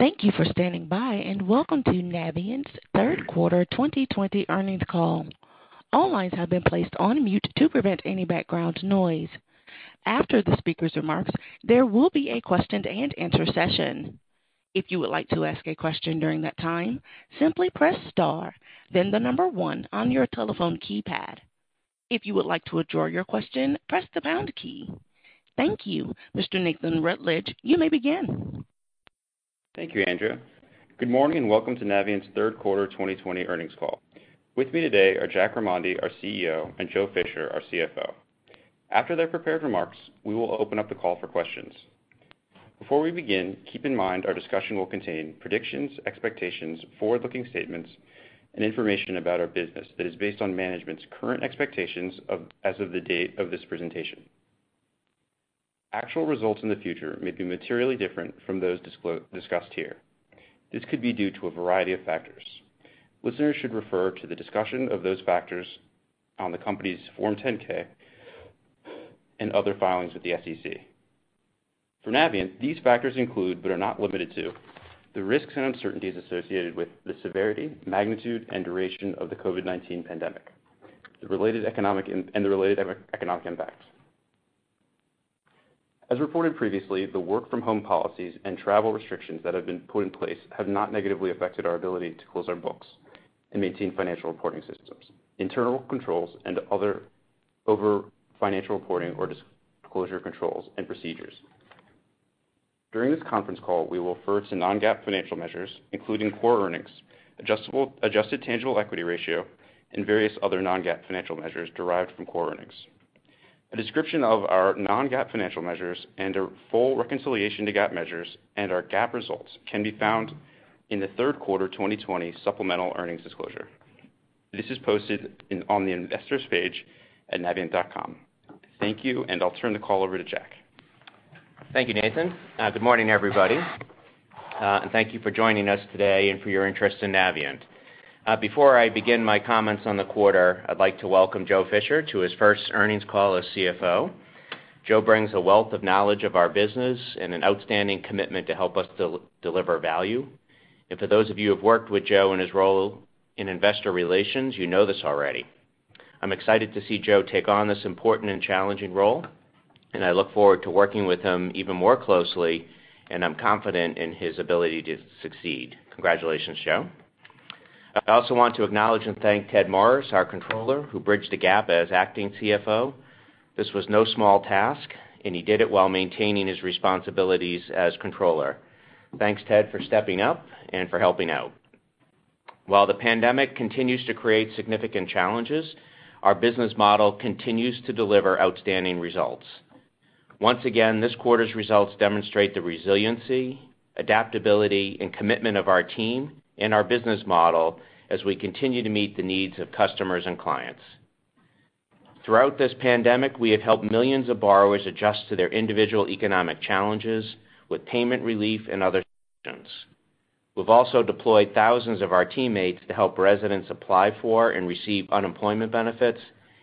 Thank you for standing by, welcome to Navient's third quarter 2020 earnings call. All lines have been placed on mute to prevent any background noise. After the speaker's remarks, there will be a question-and-answer session. If you would like to ask a question during that time, simply press star, then the number one on your telephone keypad. If you would like to withdraw your question, press the pound key. Thank you. Mr. Nathan Rutledge, you may begin. Thank you, Andrew. Good morning, and welcome to Navient's third quarter 2020 earnings call. With me today are Jack Remondi, our CEO, and Joe Fisher, our CFO. After their prepared remarks, we will open up the call for questions. Before we begin, keep in mind our discussion will contain predictions, expectations, forward-looking statements, and information about our business that is based on management's current expectations as of the date of this presentation. Actual results in the future may be materially different from those discussed here. This could be due to a variety of factors. Listeners should refer to the discussion of those factors on the company's Form 10-K and other filings with the SEC. For Navient, these factors include, but are not limited to, the risks and uncertainties associated with the severity, magnitude, and duration of the COVID-19 pandemic and the related economic impacts. As reported previously, the work-from-home policies and travel restrictions that have been put in place have not negatively affected our ability to close our books and maintain financial reporting systems, internal controls, and other financial reporting or disclosure controls and procedures. During this conference call, we will refer to non-GAAP financial measures, including core earnings, adjusted tangible equity ratio, and various other non-GAAP financial measures derived from core earnings. A description of our non-GAAP financial measures and a full reconciliation to GAAP measures and our GAAP results can be found in the third quarter 2020 supplemental earnings disclosure. This is posted on the investors page at navient.com. Thank you. I'll turn the call over to Jack. Thank you, Nathan. Good morning, everybody, thank you for joining us today and for your interest in Navient. Before I begin my comments on the quarter, I'd like to welcome Joe Fisher to his first earnings call as CFO. Joe brings a wealth of knowledge of our business and an outstanding commitment to help us deliver value. For those of you who have worked with Joe in his role in investor relations, you know this already. I'm excited to see Joe take on this important and challenging role, and I look forward to working with him even more closely, and I'm confident in his ability to succeed. Congratulations, Joe. I also want to acknowledge and thank Ted Morris, our Controller, who bridged the gap as acting CFO. This was no small task, and he did it while maintaining his responsibilities as Controller. Thanks, Ted, for stepping up and for helping out. While the pandemic continues to create significant challenges, our business model continues to deliver outstanding results. Once again, this quarter's results demonstrate the resiliency, adaptability, and commitment of our team and our business model as we continue to meet the needs of customers and clients. Throughout this pandemic, we have helped millions of borrowers adjust to their individual economic challenges with payment relief and other solutions. We've also deployed thousands of our teammates to help residents apply for and receive unemployment benefits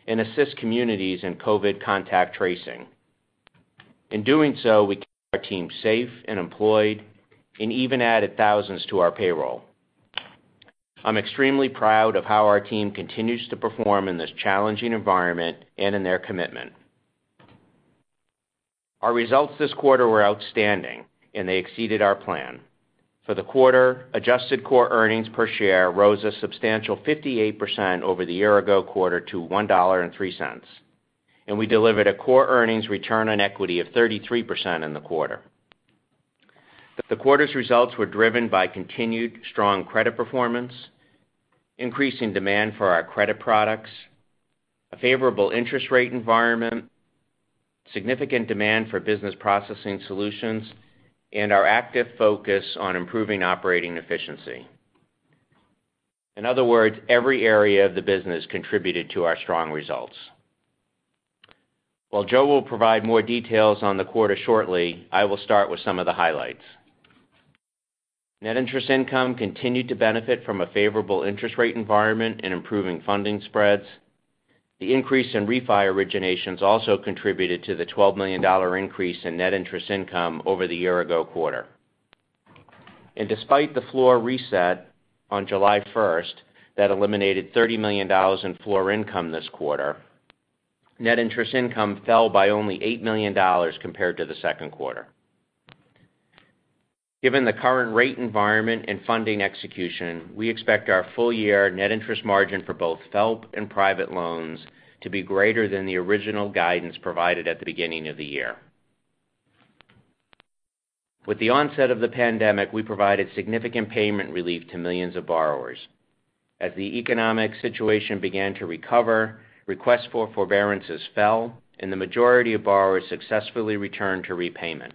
and assist communities in COVID contact tracing. In doing so, we kept our team safe and employed and even added thousands to our payroll. I'm extremely proud of how our team continues to perform in this challenging environment and in their commitment. Our results this quarter were outstanding, they exceeded our plan. For the quarter, adjusted core earnings per share rose a substantial 58% over the year-ago quarter to $1.03. We delivered a core earnings return on equity of 33% in the quarter. The quarter's results were driven by continued strong credit performance, increasing demand for our credit products, a favorable interest rate environment, significant demand for business processing solutions, and our active focus on improving operating efficiency. In other words, every area of the business contributed to our strong results. While Joe will provide more details on the quarter shortly, I will start with some of the highlights. Net interest income continued to benefit from a favorable interest rate environment and improving funding spreads. The increase in refi originations also contributed to the $12 million increase in net interest income over the year-ago quarter. Despite the floor reset on July 1st that eliminated $30 million in floor income this quarter, net interest income fell by only $8 million compared to the second quarter. Given the current rate environment and funding execution, we expect our full year net interest margin for both FFELP and private loans to be greater than the original guidance provided at the beginning of the year. With the onset of the pandemic, we provided significant payment relief to millions of borrowers. As the economic situation began to recover, requests for forbearances fell, and the majority of borrowers successfully returned to repayment.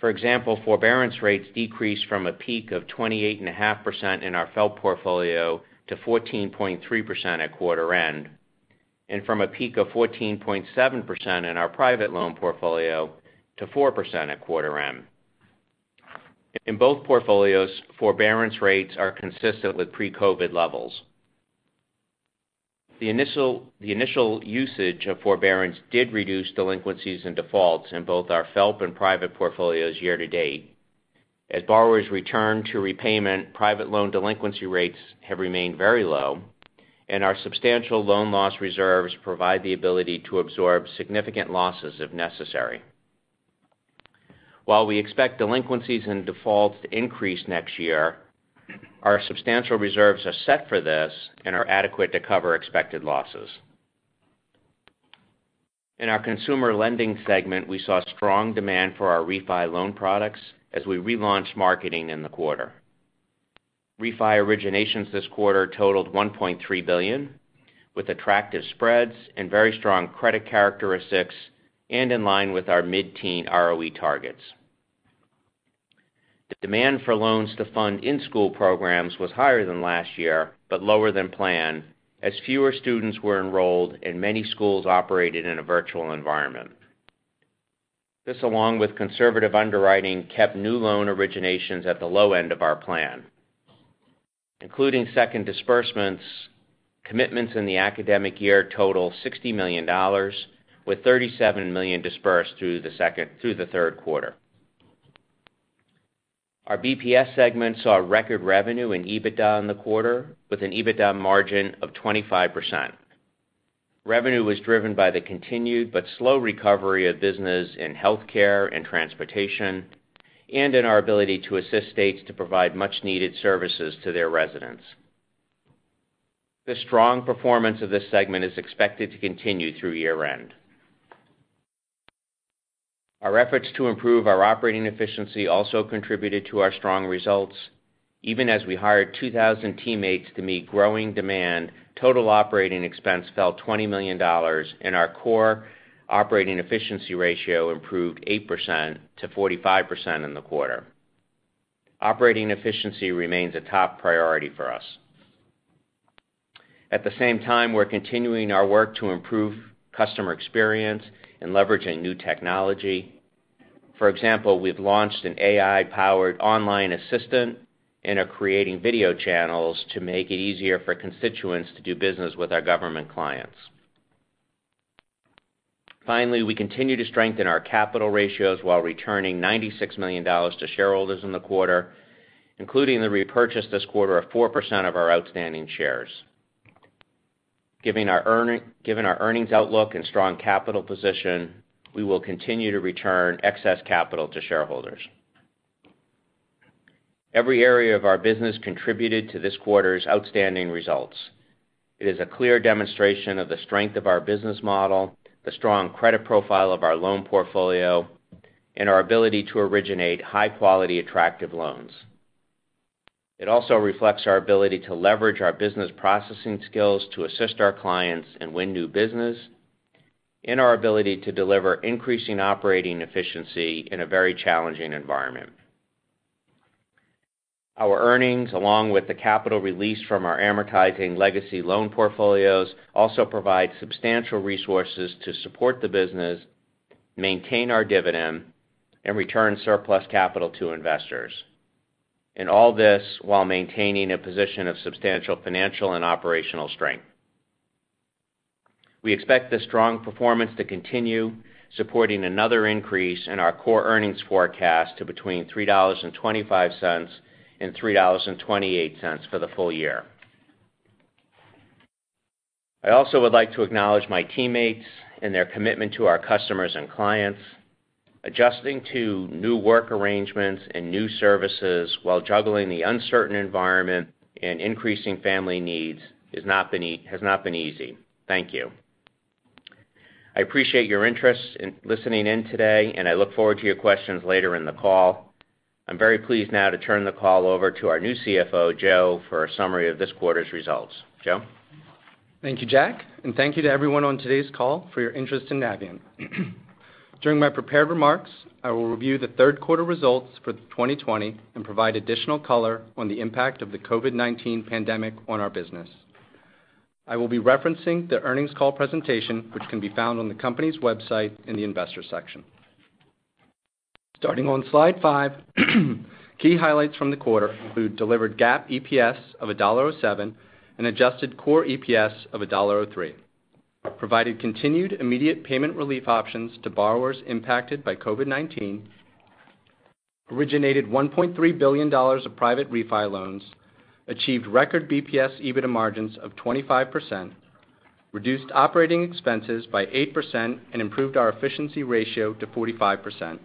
For example, forbearance rates decreased from a peak of 28.5% in our FFELP portfolio to 14.3% at quarter end, and from a peak of 14.7% in our private loan portfolio to 4% at quarter end. In both portfolios, forbearance rates are consistent with pre-COVID-19 levels. The initial usage of forbearance did reduce delinquencies and defaults in both our FFELP and private portfolios year to date. As borrowers return to repayment, private loan delinquency rates have remained very low, and our substantial loan loss reserves provide the ability to absorb significant losses if necessary. While we expect delinquencies and defaults to increase next year, our substantial reserves are set for this and are adequate to cover expected losses. In our consumer lending segment, we saw strong demand for our refi loan products as we relaunched marketing in the quarter. Refi originations this quarter totaled $1.3 billion, with attractive spreads and very strong credit characteristics, and in line with our mid-teen ROE targets. The demand for loans to fund in-school programs was higher than last year, but lower than planned, as fewer students were enrolled and many schools operated in a virtual environment. This, along with conservative underwriting, kept new loan originations at the low end of our plan. Including second disbursements, commitments in the academic year total $60 million, with $37 million disbursed through the third quarter. Our BPS segment saw record revenue and EBITDA in the quarter, with an EBITDA margin of 25%. Revenue was driven by the continued but slow recovery of business in healthcare and transportation, and in our ability to assist states to provide much-needed services to their residents. The strong performance of this segment is expected to continue through year-end. Our efforts to improve our operating efficiency also contributed to our strong results. Even as we hired 2,000 teammates to meet growing demand, total operating expense fell $20 million, and our core operating efficiency ratio improved 8% to 45% in the quarter. Operating efficiency remains a top priority for us. At the same time, we're continuing our work to improve customer experience and leveraging new technology. For example, we've launched an AI-powered online assistant and are creating video channels to make it easier for constituents to do business with our government clients. Finally, we continue to strengthen our capital ratios while returning $96 million to shareholders in the quarter, including the repurchase this quarter of 4% of our outstanding shares. Given our earnings outlook and strong capital position, we will continue to return excess capital to shareholders. Every area of our business contributed to this quarter's outstanding results. It is a clear demonstration of the strength of our business model, the strong credit profile of our loan portfolio, and our ability to originate high-quality, attractive loans. It also reflects our ability to leverage our business processing skills to assist our clients and win new business, and our ability to deliver increasing operating efficiency in a very challenging environment. Our earnings, along with the capital release from our amortizing legacy loan portfolios, also provide substantial resources to support the business, maintain our dividend, and return surplus capital to investors. All this while maintaining a position of substantial financial and operational strength. We expect this strong performance to continue, supporting another increase in our core earnings forecast to between $3.25 and $3.28 for the full year. I also would like to acknowledge my teammates and their commitment to our customers and clients. Adjusting to new work arrangements and new services while juggling the uncertain environment and increasing family needs has not been easy. Thank you. I appreciate your interest in listening in today, and I look forward to your questions later in the call. I'm very pleased now to turn the call over to our new CFO, Joe, for a summary of this quarter's results. Joe? Thank you, Jack, and thank you to everyone on today's call for your interest in Navient. During my prepared remarks, I will review the third quarter results for 2020 and provide additional color on the impact of the COVID-19 pandemic on our business. I will be referencing the earnings call presentation, which can be found on the company's website in the investor section. Starting on slide five, key highlights from the quarter include delivered GAAP EPS of $1.07 and adjusted core EPS of $1.03. Provided continued immediate payment relief options to borrowers impacted by COVID-19. Originated $1.3 billion of private refi loans. Achieved record BPS EBITDA margins of 25%. Reduced operating expenses by 8% and improved our efficiency ratio to 45%.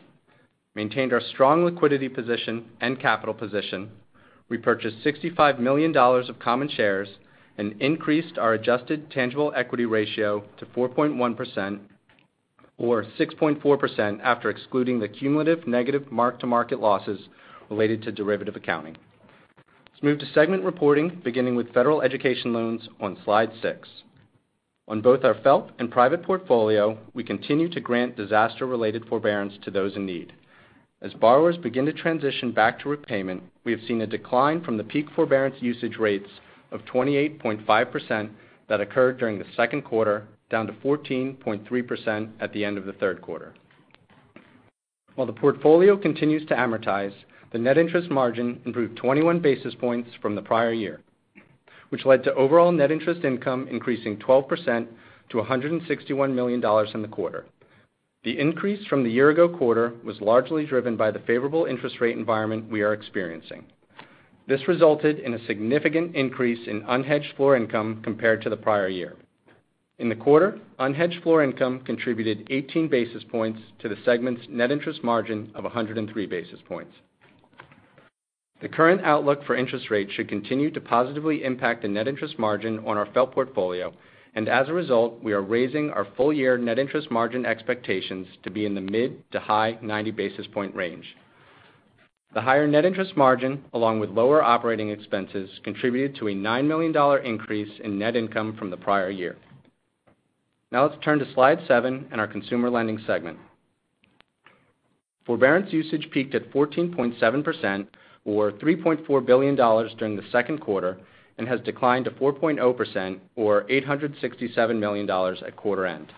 Maintained our strong liquidity position and capital position. Repurchased $65 million of common shares and increased our adjusted tangible equity ratio to 4.1%, or 6.4% after excluding the cumulative negative mark-to-market losses related to derivative accounting. Let's move to segment reporting, beginning with federal education loans on Slide six. On both our FFELP and private portfolio, we continue to grant disaster-related forbearance to those in need. As borrowers begin to transition back to repayment, we have seen a decline from the peak forbearance usage rates of 28.5% that occurred during the second quarter, down to 14.3% at the end of the third quarter. While the portfolio continues to amortize, the net interest margin improved 21 basis points from the prior year, which led to overall net interest income increasing 12% to $161 million in the quarter. The increase from the year ago quarter was largely driven by the favorable interest rate environment we are experiencing. This resulted in a significant increase in unhedged floor income compared to the prior year. In the quarter, unhedged floor income contributed 18 basis points to the segment's net interest margin of 103 basis points. The current outlook for interest rates should continue to positively impact the net interest margin on our FFELP portfolio, and as a result, we are raising our full year net interest margin expectations to be in the mid to high 90 basis point range. The higher net interest margin, along with lower operating expenses, contributed to a $9 million increase in net income from the prior year. Now let's turn to slide seven and our Consumer Lending segment. Forbearance usage peaked at 14.7%, or $3.4 billion during the second quarter, and has declined to 4.0%, or $867 million at quarter end.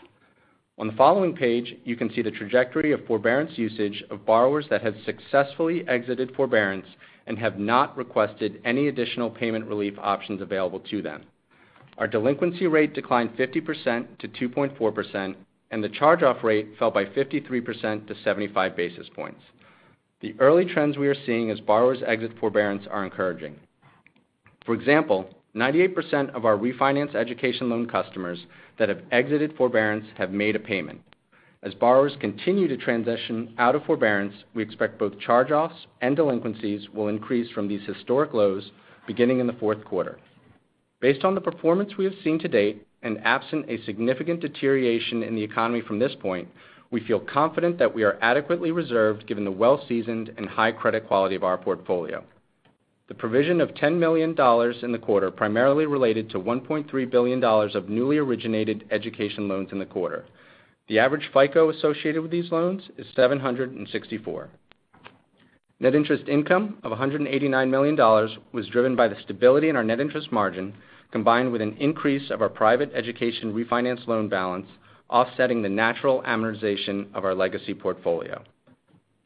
On the following page, you can see the trajectory of forbearance usage of borrowers that have successfully exited forbearance and have not requested any additional payment relief options available to them. Our delinquency rate declined 50% to 2.4%, and the charge-off rate fell by 53% to 75 basis points. The early trends we are seeing as borrowers exit forbearance are encouraging. For example, 98% of our refinance education loan customers that have exited forbearance have made a payment. As borrowers continue to transition out of forbearance, we expect both charge-offs and delinquencies will increase from these historic lows beginning in the fourth quarter. Based on the performance we have seen to date, and absent a significant deterioration in the economy from this point, we feel confident that we are adequately reserved given the well-seasoned and high credit quality of our portfolio. The provision of $10 million in the quarter primarily related to $1.3 billion of newly originated education loans in the quarter. The average FICO associated with these loans is 764. Net interest income of $189 million was driven by the stability in our net interest margin, combined with an increase of our private education refinance loan balance, offsetting the natural amortization of our legacy portfolio.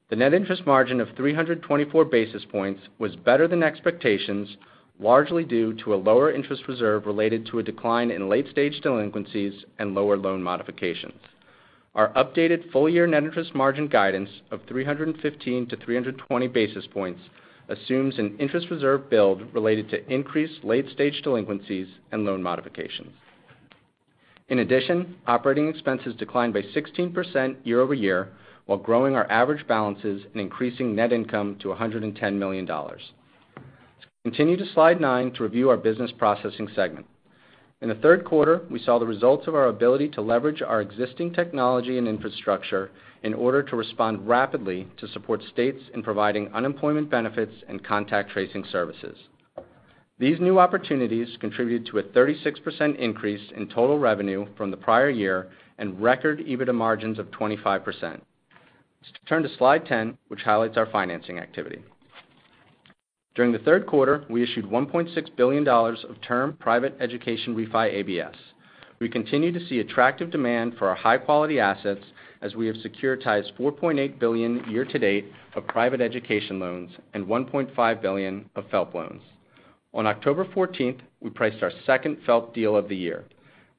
The net interest margin of 324 basis points was better than expectations, largely due to a lower interest reserve related to a decline in late-stage delinquencies and lower loan modifications. Our updated full year net interest margin guidance of 315-320 basis points assumes an interest reserve build related to increased late-stage delinquencies and loan modifications. In addition, operating expenses declined by 16% year-over-year while growing our average balances and increasing net income to $110 million. Continue to slide nine to review our business processing segment. In the third quarter, we saw the results of our ability to leverage our existing technology and infrastructure in order to respond rapidly to support states in providing unemployment benefits and contact tracing services. These new opportunities contributed to a 36% increase in total revenue from the prior year and record EBITDA margins of 25%. Let's turn to slide 10, which highlights our financing activity. During the third quarter, we issued $1.6 billion of term private education refi ABS. We continue to see attractive demand for our high-quality assets as we have securitized $4.8 billion year to date of private education loans and $1.5 billion of FFELP loans. On October 14th, we priced our second FFELP deal of the year.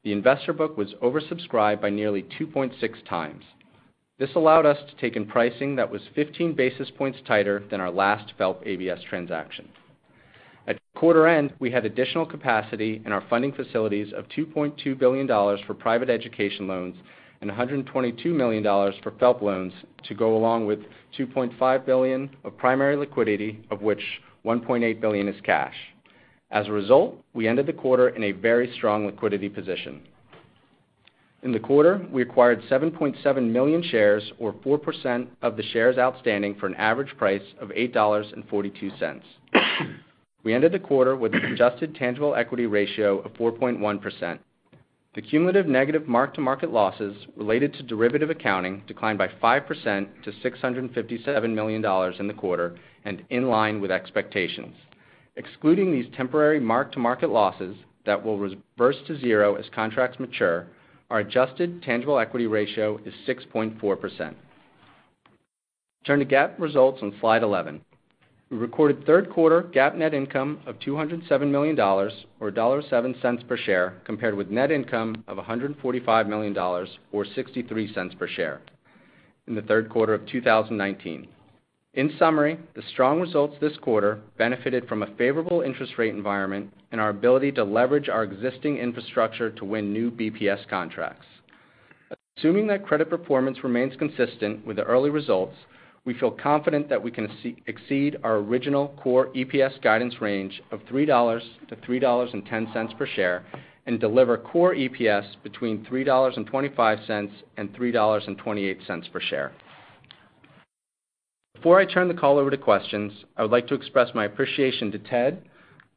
The investor book was oversubscribed by nearly 2.6x. This allowed us to take in pricing that was 15 basis points tighter than our last FFELP ABS transaction. At quarter end, we had additional capacity in our funding facilities of $2.2 billion for private education loans and $122 million for FFELP loans to go along with $2.5 billion of primary liquidity, of which $1.8 billion is cash. We ended the quarter in a very strong liquidity position. In the quarter, we acquired 7.7 million shares or 4% of the shares outstanding for an average price of $8.42. We ended the quarter with an adjusted tangible equity ratio of 4.1%. The cumulative negative mark-to-market losses related to derivative accounting declined by 5% to $657 million in the quarter and in line with expectations. Excluding these temporary mark-to-market losses that will reverse to zero as contracts mature, our adjusted tangible equity ratio is 6.4%. Turn to GAAP results on slide 11. We recorded third quarter GAAP net income of $207 million, or $1.07 per share, compared with net income of $145 million or $0.63 per share in the third quarter of 2019. In summary, the strong results this quarter benefited from a favorable interest rate environment and our ability to leverage our existing infrastructure to win new BPS contracts. Assuming that credit performance remains consistent with the early results, we feel confident that we can exceed our original core EPS guidance range of $3-$3.10 per share and deliver core EPS between $3.25 and $3.28 per share. Before I turn the call over to questions, I would like to express my appreciation to Ted,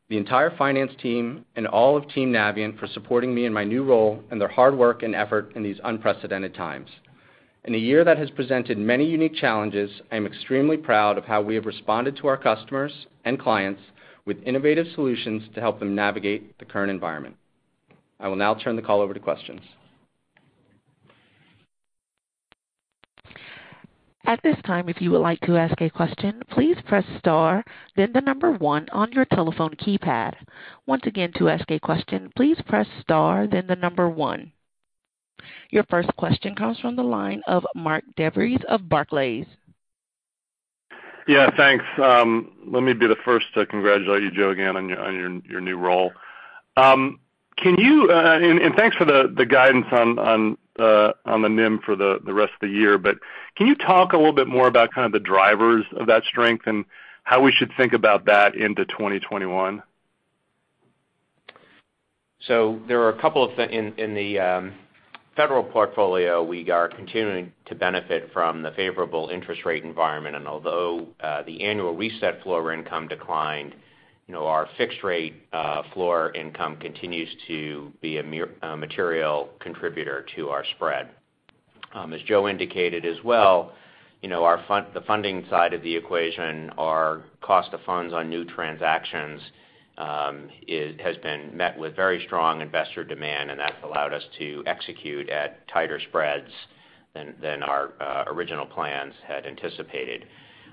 the entire finance team, and all of team Navient for supporting me in my new role and their hard work and effort in these unprecedented times. In a year that has presented many unique challenges, I am extremely proud of how we have responded to our customers and clients with innovative solutions to help them navigate the current environment. I will now turn the call over to questions. At this time, if you would like to ask a question, please press star, then the number one on your telephone keypad. Once again, to ask a question, please press star, then the number one. Your first question comes from the line of Mark DeVries of Barclays. Yeah, thanks. Let me be the first to congratulate you, Joe, again on your new role. Thanks for the guidance on the NIM for the rest of the year. Can you talk a little bit more about kind of the drivers of that strength and how we should think about that into 2021? There are a couple of things. In the federal portfolio, we are continuing to benefit from the favorable interest rate environment. Although the annual reset floor income declined, our fixed rate floor income continues to be a material contributor to our spread. As Joe indicated as well, the funding side of the equation, our cost of funds on new transactions has been met with very strong investor demand, and that's allowed us to execute at tighter spreads than our original plans had anticipated.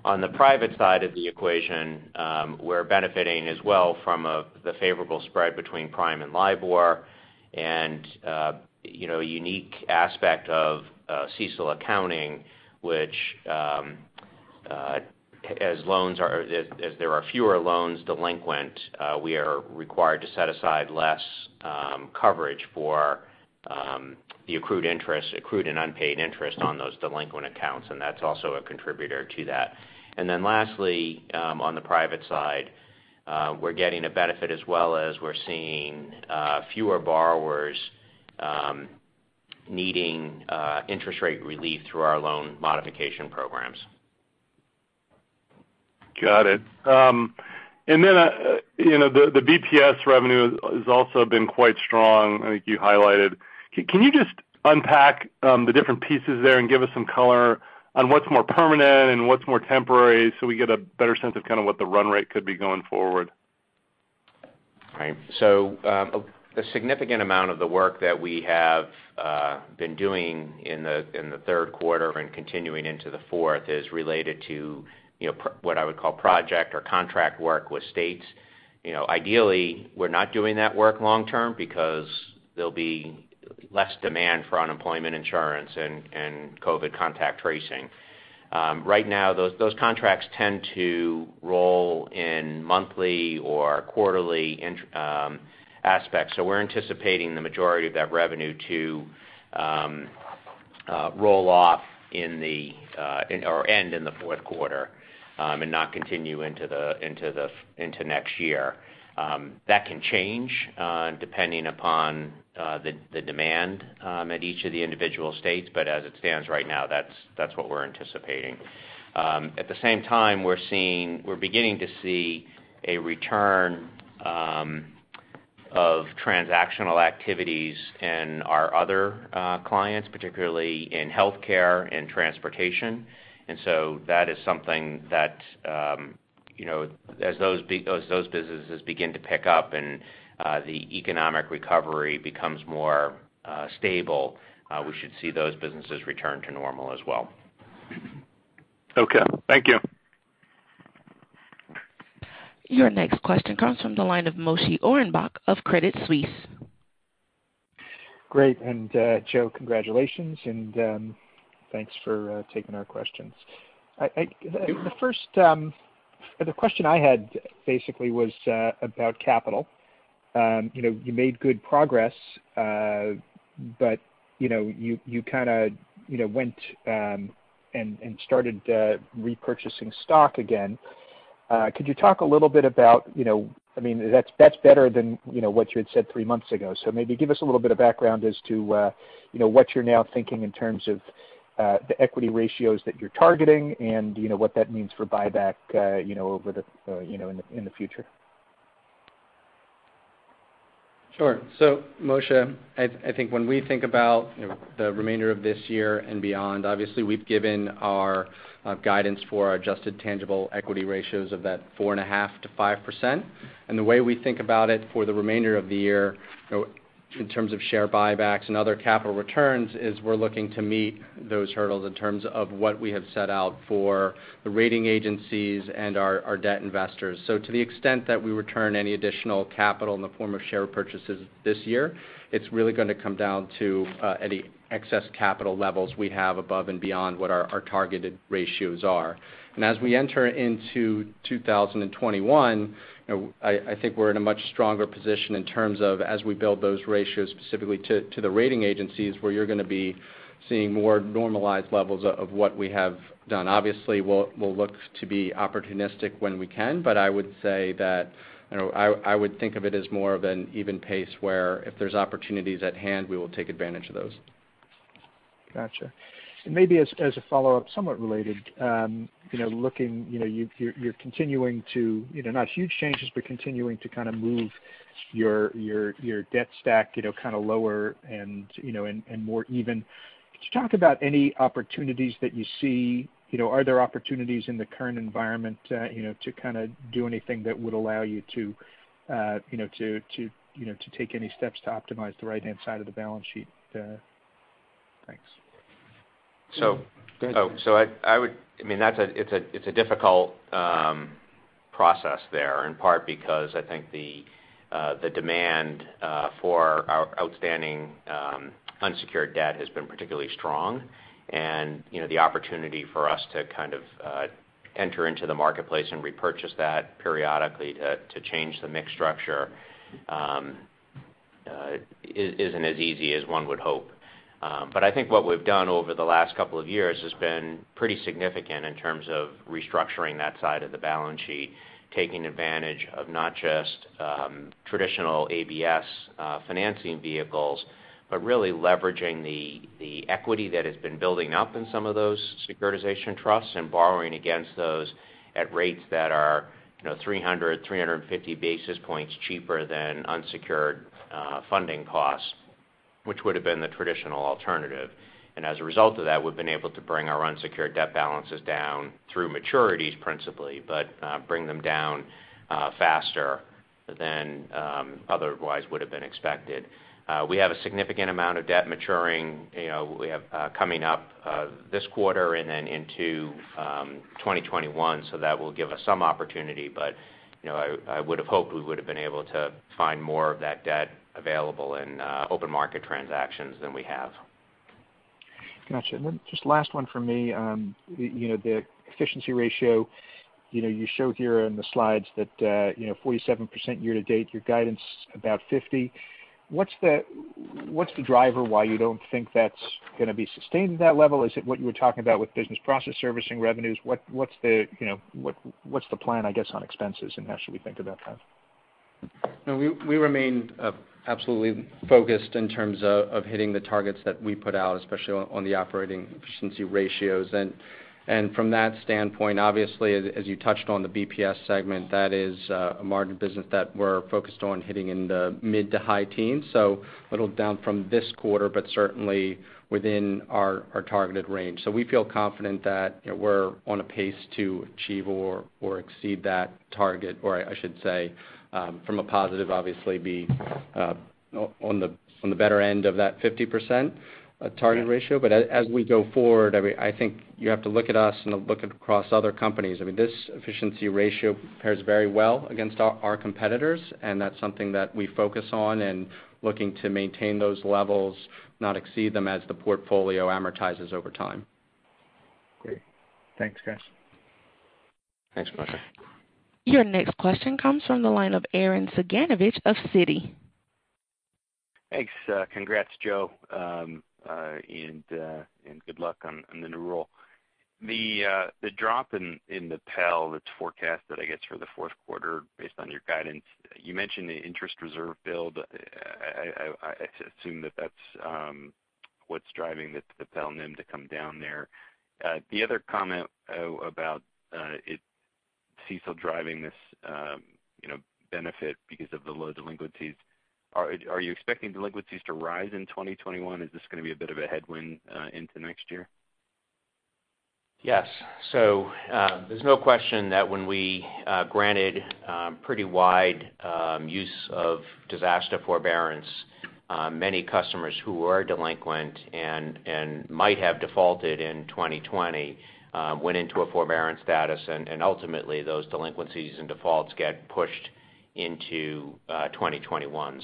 On the private side of the equation, we're benefiting as well from the favorable spread between Prime and LIBOR and a unique aspect of CECL accounting, which as there are fewer loans delinquent, we are required to set aside less coverage for the accrued interest, accrued and unpaid interest on those delinquent accounts, and that's also a contributor to that. Lastly, on the private side, we're getting a benefit as well as we're seeing fewer borrowers needing interest rate relief through our loan modification programs. Got it. The BPS revenue has also been quite strong, I think you highlighted. Can you just unpack the different pieces there and give us some color on what's more permanent and what's more temporary so we get a better sense of kind of what the run rate could be going forward? Right. A significant amount of the work that we have been doing in the third quarter and continuing into the fourth is related to what I would call project or contract work with states. Ideally, we're not doing that work long term because there'll be less demand for unemployment insurance and COVID contact tracing. Right now, those contracts tend to roll in monthly or quarterly aspects. We're anticipating the majority of that revenue to roll off or end in the fourth quarter and not continue into next year. That can change depending upon the demand at each of the individual states. As it stands right now, that's what we're anticipating. At the same time, we're beginning to see a return of transactional activities in our other clients, particularly in healthcare and transportation. That is something that as those businesses begin to pick up and the economic recovery becomes more stable, we should see those businesses return to normal as well. Okay. Thank you. Your next question comes from the line of Moshe Orenbuch of Credit Suisse. Great. And Joe, congratulations and thanks for taking our questions. The question I had basically was about capital. You made good progress but you kind of went and started repurchasing stock again. Could you talk a little bit that's better than what you had said three months ago. Maybe give us a little bit of background as to what you're now thinking in terms of the equity ratios that you're targeting and what that means for buyback in the future. Sure. Moshe, I think when we think about the remainder of this year and beyond, obviously we've given our guidance for our adjusted tangible equity ratios of that 4.5%-5%. The way we think about it for the remainder of the year in terms of share buybacks and other capital returns is we're looking to meet those hurdles in terms of what we have set out for the rating agencies and our debt investors. To the extent that we return any additional capital in the form of share purchases this year, it's really going to come down to any excess capital levels we have above and beyond what our targeted ratios are. As we enter into 2021, I think we're in a much stronger position in terms of as we build those ratios specifically to the rating agencies, where you're going to be seeing more normalized levels of what we have done. Obviously, we'll look to be opportunistic when we can, but I would say that I would think of it as more of an even pace where if there's opportunities at hand, we will take advantage of those. Got you. Maybe as a follow-up, somewhat related, you're continuing to, not huge changes, but continuing to kind of move your debt stack kind of lower and more even. Could you talk about any opportunities that you see? Are there opportunities in the current environment to do anything that would allow you to take any steps to optimize the right-hand side of the balance sheet? Thanks. I would-- It's a difficult process there, in part because I think the demand for our outstanding unsecured debt has been particularly strong. The opportunity for us to enter into the marketplace and repurchase that periodically to change the mix structure isn't as easy as one would hope. I think what we've done over the last couple of years has been pretty significant in terms of restructuring that side of the balance sheet. Taking advantage of not just traditional ABS financing vehicles, but really leveraging the equity that has been building up in some of those securitization trusts and borrowing against those at rates that are 300, 350 basis points cheaper than unsecured funding costs, which would've been the traditional alternative. As a result of that, we've been able to bring our unsecured debt balances down through maturities principally, but bring them down faster than otherwise would've been expected. We have a significant amount of debt maturing. We have coming up this quarter and then into 2021. That will give us some opportunity, but I would've hoped we would've been able to find more of that debt available in open market transactions than we have. Got you. Then just last one from me. The efficiency ratio, you show here in the slides that 47% year-to-date, your guidance about 50%. What's the driver why you don't think that's going to be sustained at that level? Is it what you were talking about with business process servicing revenues? What's the plan, I guess, on expenses, and how should we think about that? No, we remain absolutely focused in terms of hitting the targets that we put out, especially on the operating efficiency ratios. From that standpoint, obviously, as you touched on the BPS segment, that is a margin business that we're focused on hitting in the mid to high teens. A little down from this quarter, but certainly within our targeted range. We feel confident that we're on a pace to achieve or exceed that target, or I should say, from a positive, obviously be on the better end of that 50% target ratio. As we go forward, I think you have to look at us and look across other companies. This efficiency ratio compares very well against our competitors, and that's something that we focus on and looking to maintain those levels, not exceed them as the portfolio amortizes over time. Great. Thanks, guys. Thanks, Moshe. Your next question comes from the line of Arren Cyganovich of Citi. Thanks. Congrats, Joe, and good luck on the new role. The drop in the PEL that's forecasted, I guess, for the fourth quarter based on your guidance, you mentioned the interest reserve build. I assume that that's what's driving the PEL NIM to come down there. The other comment about CECL driving this benefit because of the low delinquencies. Are you expecting delinquencies to rise in 2021? Is this going to be a bit of a headwind into next year? Yes. There's no question that when we granted pretty wide use of disaster forbearance many customers who were delinquent and might have defaulted in 2020 went into a forbearance status, and ultimately those delinquencies and defaults get pushed into 2021.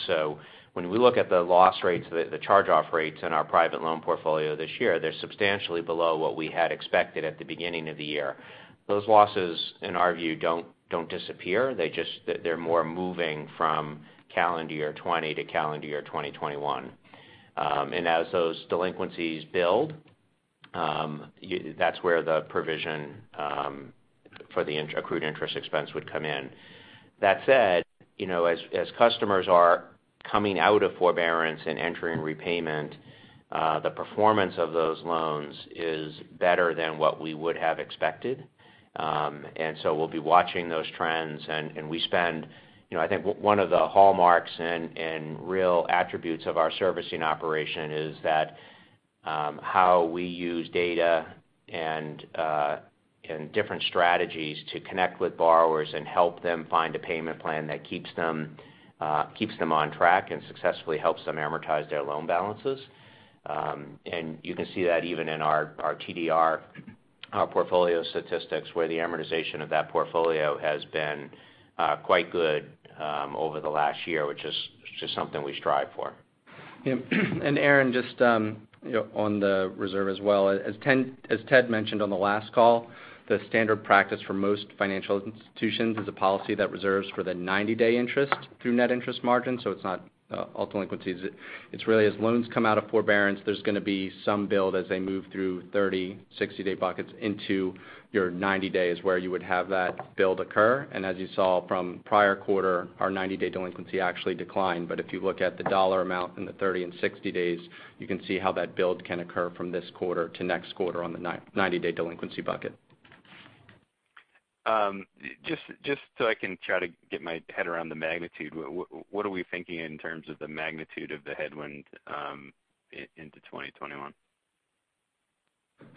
When we look at the loss rates, the charge-off rates in our private loan portfolio this year, they're substantially below what we had expected at the beginning of the year. Those losses, in our view, don't disappear. They're more moving from calendar year 2020 to calendar year 2021. As those delinquencies build, that's where the provision for the accrued interest expense would come in. That said, as customers are coming out of forbearance and entering repayment the performance of those loans is better than what we would have expected. We'll be watching those trends. I think one of the hallmarks and real attributes of our servicing operation is that how we use data and different strategies to connect with borrowers and help them find a payment plan that keeps them on track and successfully helps them amortize their loan balances. You can see that even in our TDR portfolio statistics where the amortization of that portfolio has been quite good over the last year, which is just something we strive for. Arren, just on the reserve as well. As Ted mentioned on the last call, the standard practice for most financial institutions is a policy that reserves for the 90-day interest through net interest margin, so it's not all delinquencies. It's really as loans come out of forbearance, there's going to be some build as they move through 30, 60-day buckets into your 90 days where you would have that build occur. As you saw from prior quarter, our 90-day delinquency actually declined. If you look at the dollar amount in the 30 and 60 days, you can see how that build can occur from this quarter to next quarter on the 90-day delinquency bucket. Just so I can try to get my head around the magnitude, what are we thinking in terms of the magnitude of the headwind into 2021?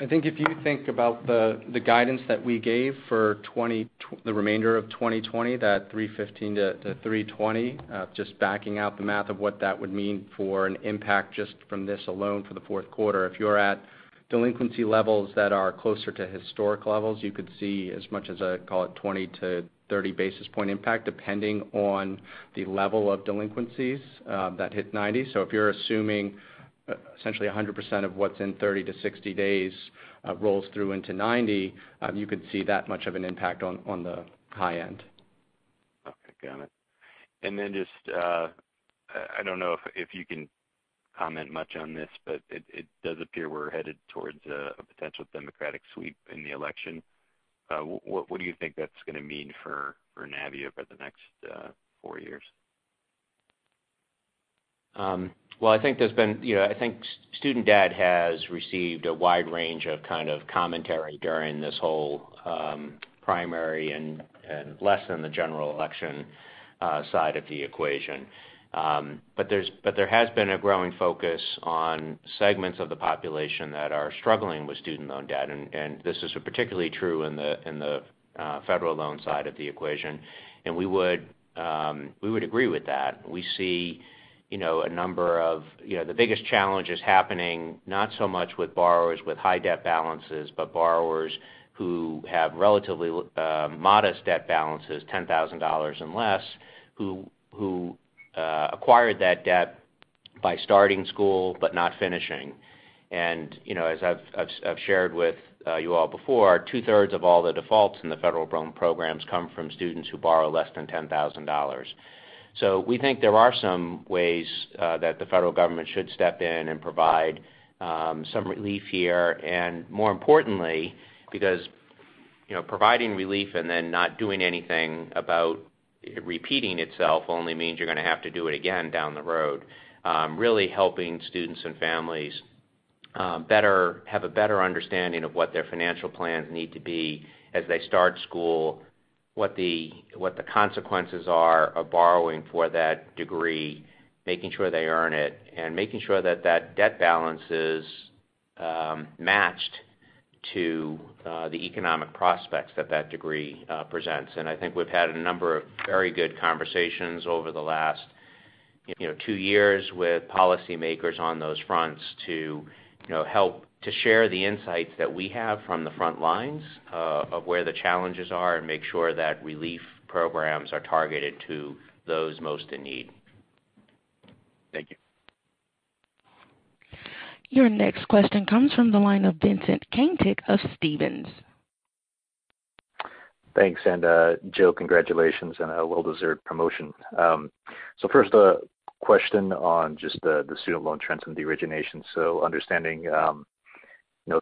I think if you think about the guidance that we gave for the remainder of 2020, that 315-320. Just backing out the math of what that would mean for an impact just from this alone for the fourth quarter. If you're at delinquency levels that are closer to historic levels, you could see as much as, call it, 20-30 basis point impact, depending on the level of delinquencies that hit 90. If you're assuming essentially 100% of what's in 30-60 days rolls through into 90, you could see that much of an impact on the high end. Okay. Got it. I don't know if you can comment much on this, but it does appear we're headed towards a potential Democratic sweep in the election. What do you think that's going to mean for Navient over the next four years? Well, I think Student Debt has received a wide range of kind of commentary during this whole primary and less than the general election side of the equation. There has been a growing focus on segments of the population that are struggling with student loan debt, and this is particularly true in the federal loan side of the equation. We would agree with that. The biggest challenge is happening not so much with borrowers with high debt balances, but borrowers who have relatively modest debt balances, $10,000 and less, who acquired that debt by starting school but not finishing. As I've shared with you all before, 2/3 of all the defaults in the federal loan programs come from students who borrow less than $10,000. We think there are some ways that the federal government should step in and provide some relief here. More importantly, because providing relief and then not doing anything about repeating itself only means you're going to have to do it again down the road. Really helping students and families have a better understanding of what their financial plans need to be as they start school, what the consequences are of borrowing for that degree, making sure they earn it, and making sure that that debt balance is matched to the economic prospects that that degree presents. I think we've had a number of very good conversations over the last two years with policymakers on those fronts to help to share the insights that we have from the front lines of where the challenges are and make sure that relief programs are targeted to those most in need. Thank you. Your next question comes from the line of Vincent Caintic of Stephens. Thanks. Joe, congratulations on a well-deserved promotion. First, a question on just the student loan trends and the origination. Understanding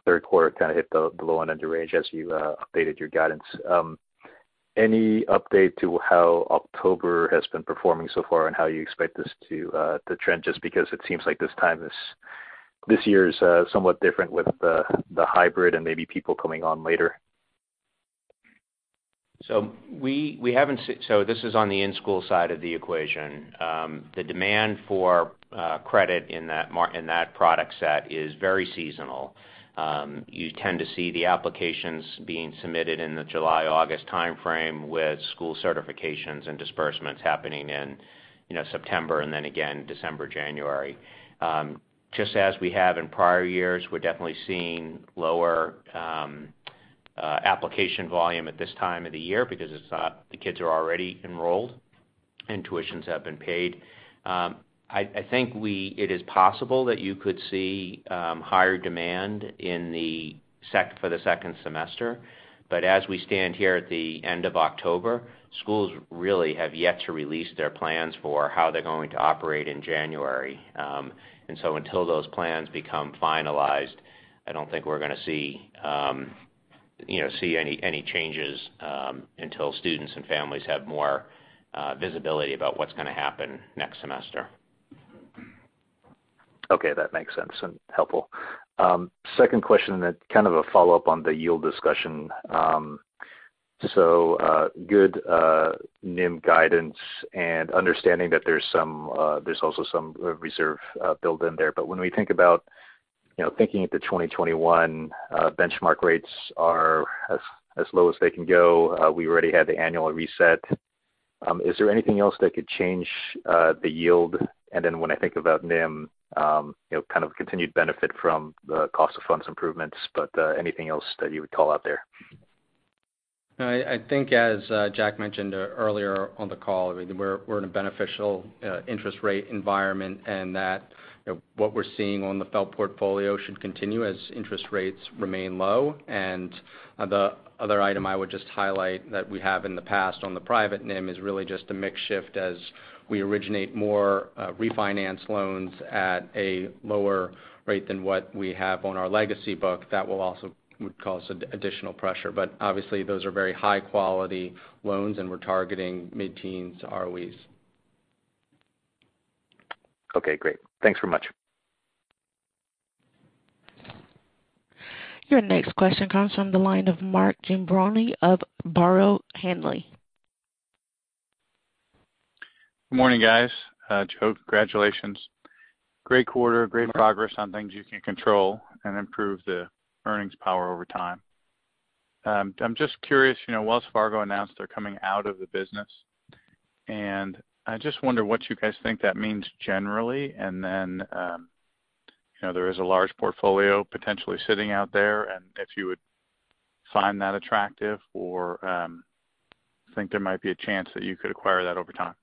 third quarter kind of hit the low and under range as you updated your guidance. Any update to how October has been performing so far and how you expect this to trend, just because it seems like this year is somewhat different with the hybrid and maybe people coming on later. This is on the in-school side of the equation. The demand for credit in that product set is very seasonal. You tend to see the applications being submitted in the July, August timeframe with school certifications and disbursements happening in September and then again December, January. Just as we have in prior years, we're definitely seeing lower application volume at this time of the year because the kids are already enrolled and tuitions have been paid. I think it is possible that you could see higher demand for the second semester. As we stand here at the end of October, schools really have yet to release their plans for how they're going to operate in January. Until those plans become finalized, I don't think we're going to see any changes until students and families have more visibility about what's going to happen next semester. That makes sense and helpful. Second question, kind of a follow-up on the yield discussion. Good NIM guidance and understanding that there's also some reserve built in there. When we think about thinking at the 2021 benchmark rates are as low as they can go, we already had the annual reset. Is there anything else that could change the yield? When I think about NIM, kind of continued benefit from the cost of funds improvements, anything else that you would call out there? I think as Jack mentioned earlier on the call, we're in a beneficial interest rate environment, and that what we're seeing on the FFEL portfolio should continue as interest rates remain low. The other item I would just highlight that we have in the past on the private NIM is really just a mix shift as we originate more refinance loans at a lower rate than what we have on our legacy book. That would cause additional pressure. Obviously, those are very high-quality loans, and we're targeting mid-teens ROEs. Okay, great. Thanks very much. Your next question comes from the line of Mark Giambrone of Barrow Hanley. Good morning, guys. Joe, congratulations. Great quarter, great progress on things you can control and improve the earnings power over time. I'm just curious, Wells Fargo announced they're coming out of the business, and I just wonder what you guys think that means generally, and then there is a large portfolio potentially sitting out there, and if you would find that attractive or think there might be a chance that you could acquire that over time?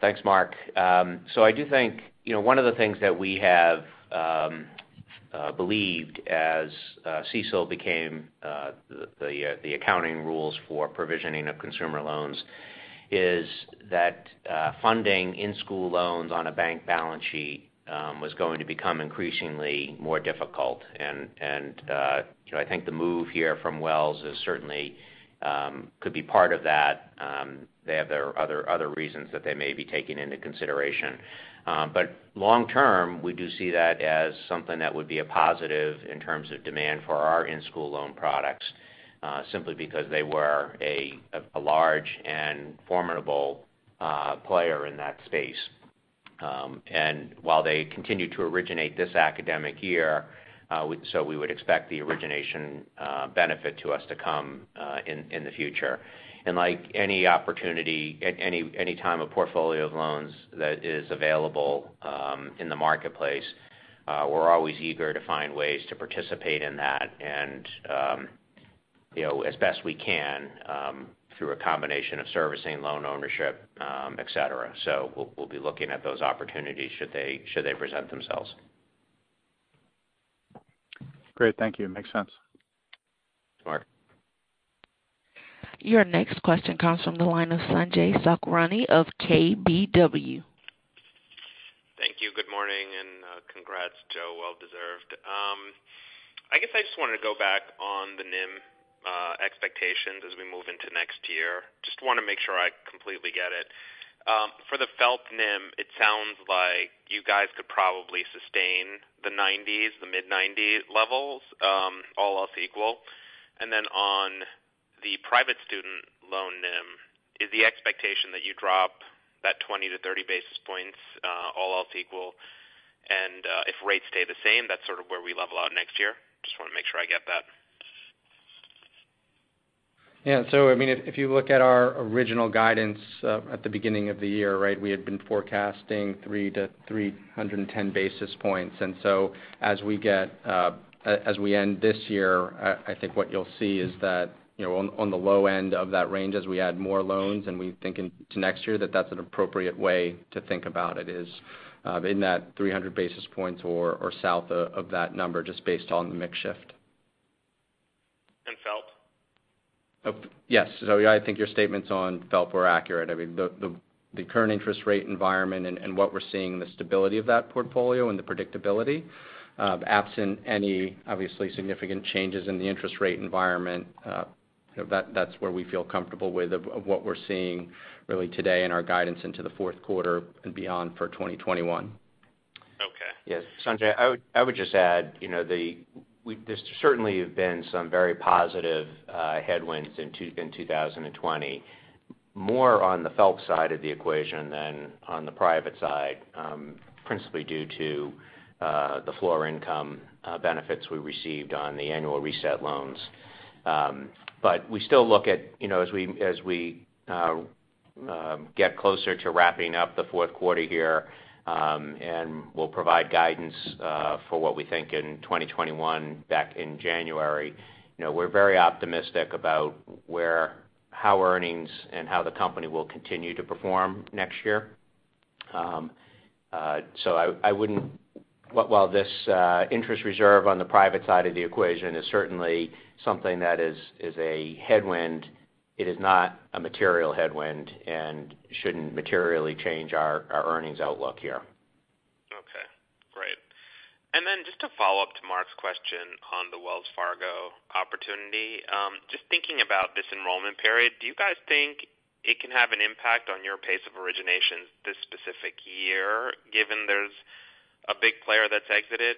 Thanks, Mark. I do think one of the things that we have believed as CECL became the accounting rules for provisioning of consumer loans is that funding in-school loans on a bank balance sheet was going to become increasingly more difficult. I think the move here from Wells certainly could be part of that. They have their other reasons that they may be taking into consideration. Long term, we do see that as something that would be a positive in terms of demand for our in-school loan products, simply because they were a large and formidable player in that space. While they continue to originate this academic year, we would expect the origination benefit to us to come in the future. Like any opportunity, any time a portfolio of loans that is available in the marketplace, we're always eager to find ways to participate in that and as best we can through a combination of servicing, loan ownership, et cetera. We'll be looking at those opportunities should they present themselves. Great. Thank you. Makes sense. Thanks Mark. Your next question comes from the line of Sanjay Sakhrani of KBW. Thank you. Good morning, and congrats, Joe. Well deserved. I guess I just wanted to go back on the NIM expectations as we move into next year. Just want to make sure I completely get it. For the FFELP NIM, it sounds like you guys could probably sustain the 90s, the mid-90 levels, all else equal. Then on the private student loan NIM, is the expectation that you drop that 20 to 30 basis points all else equal, and if rates stay the same, that's sort of where we level out next year? Just want to make sure I get that. Yeah. If you look at our original guidance at the beginning of the year, we had been forecasting 3-310 basis points. As we end this year, I think what you'll see is that on the low end of that range as we add more loans and we think into next year, that's an appropriate way to think about it is in that 300 basis points or south of that number just based on the mix shift. FFELP? Yes. I think your statements on FFELP were accurate. The current interest rate environment and what we're seeing, the stability of that portfolio and the predictability, absent any obviously significant changes in the interest rate environment that's where we feel comfortable with of what we're seeing really today in our guidance into the fourth quarter and beyond for 2021. Okay. Yes. Sanjay, I would just add there's certainly been some very positive headwinds in 2020, more on the FFELP side of the equation than on the private side principally due to the floor income benefits we received on the annual reset loans. We still look at as we get closer to wrapping up the fourth quarter here, and we'll provide guidance for what we think in 2021 back in January. While this interest reserve on the private side of the equation is certainly something that is a headwind, it is not a material headwind and shouldn't materially change our earnings outlook here. Okay, great. Just to follow up to Mark's question on the Wells Fargo opportunity. Just thinking about this enrollment period, do you guys think it can have an impact on your pace of originations this specific year, given there's a big player that's exited?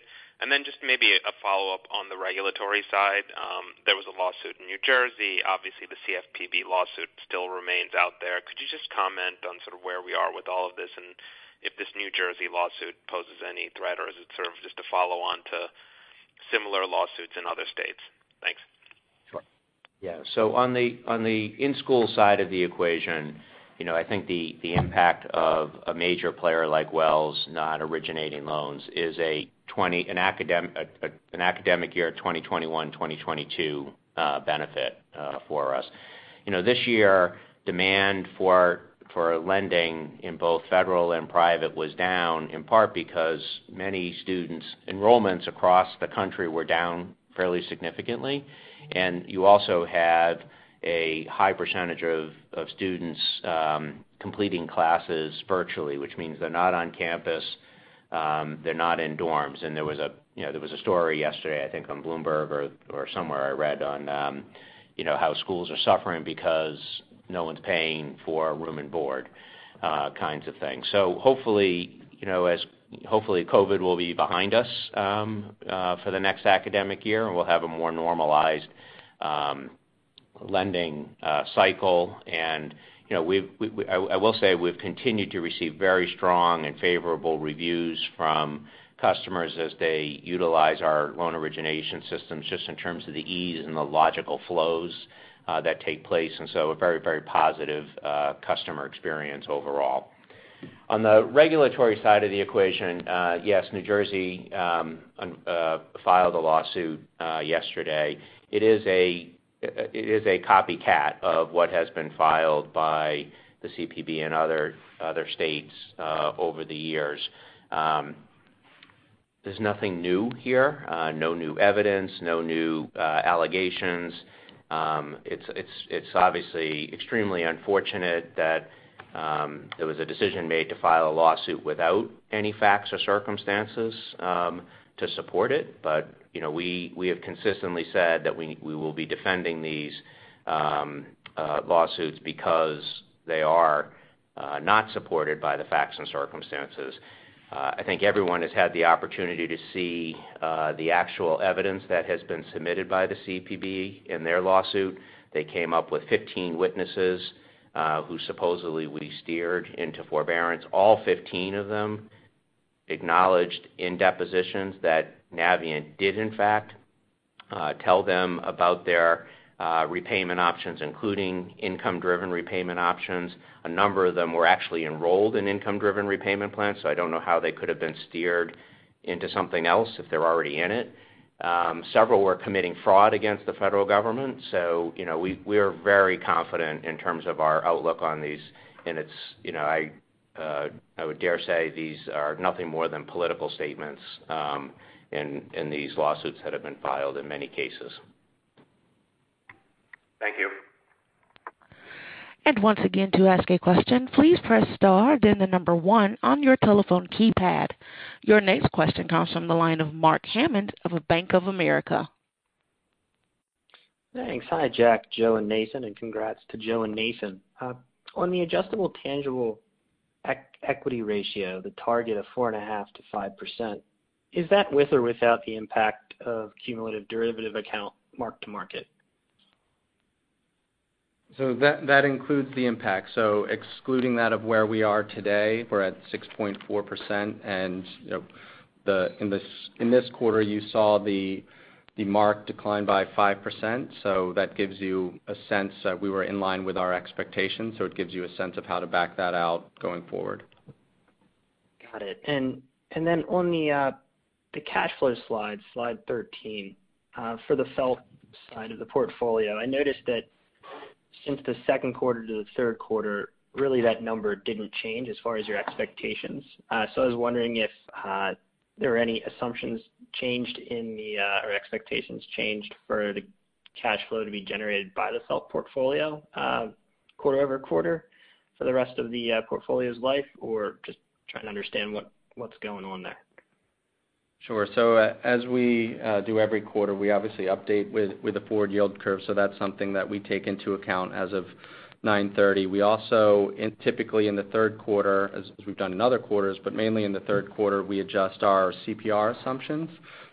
Just maybe a follow-up on the regulatory side. There was a lawsuit in New Jersey. Obviously, the CFPB lawsuit still remains out there. Could you just comment on sort of where we are with all of this, and if this New Jersey lawsuit poses any threat, or is it sort of just a follow-on to similar lawsuits in other states? Thanks. Sure. Yeah. On the in-school side of the equation I think the impact of a major player like Wells not originating loans is an academic year 2021, 2022 benefit for us. This year, demand for lending in both federal and private was down, in part because many students' enrollments across the country were down fairly significantly. You also had a high percentage of students completing classes virtually, which means they're not on campus, they're not in dorms. There was a story yesterday, I think on Bloomberg or somewhere I read on how schools are suffering because no one's paying for room and board kinds of things. Hopefully, COVID will be behind us for the next academic year, and we'll have a more normalized lending cycle. I will say we've continued to receive very strong and favorable reviews from customers as they utilize our loan origination systems just in terms of the ease and the logical flows that take place. A very positive customer experience overall. On the regulatory side of the equation, yes, New Jersey filed a lawsuit yesterday. It is a copycat of what has been filed by the CFPB and other states over the years. There's nothing new here. No new evidence, no new allegations. It's obviously extremely unfortunate that there was a decision made to file a lawsuit without any facts or circumstances to support it. We have consistently said that we will be defending these lawsuits because they are not supported by the facts and circumstances. I think everyone has had the opportunity to see the actual evidence that has been submitted by the CFPB in their lawsuit. They came up with 15 witnesses who supposedly we steered into forbearance. All 15 of them acknowledged in depositions that Navient did in fact tell them about their repayment options, including income-driven repayment options. A number of them were actually enrolled in income-driven repayment plans, I don't know how they could have been steered into something else if they're already in it. Several were committing fraud against the federal government. We are very confident in terms of our outlook on these, and I would dare say these are nothing more than political statements in these lawsuits that have been filed in many cases. Thank you. Once again, to ask a question, please press star, then the number one on your telephone keypad. Your next question comes from the line of Mark Hammond of Bank of America. Thanks. Hi, Jack, Joe, and Nathan, and congrats to Joe and Nathan. On the adjusted tangible equity ratio, the target of 4.5%-5%, is that with or without the impact of cumulative derivative account mark-to-market? That includes the impact. Excluding that of where we are today, we're at 6.4%. In this quarter, you saw the mark decline by 5%. That gives you a sense that we were in line with our expectations, so it gives you a sense of how to back that out going forward. Got it. On the cash flow slide 13, for the FFELP side of the portfolio, I noticed that since the second quarter to the third quarter, really that number didn't change as far as your expectations. I was wondering if there were any assumptions changed or expectations changed for the cash flow to be generated by the FFELP portfolio quarter-over-quarter for the rest of the portfolio's life, or just trying to understand what's going on there. Sure. As we do every quarter, we obviously update with the forward yield curve. That's something that we take into account as of 9/30. We also, typically in the third quarter, as we've done in other quarters, but mainly in the third quarter, we adjust our CPR assumptions.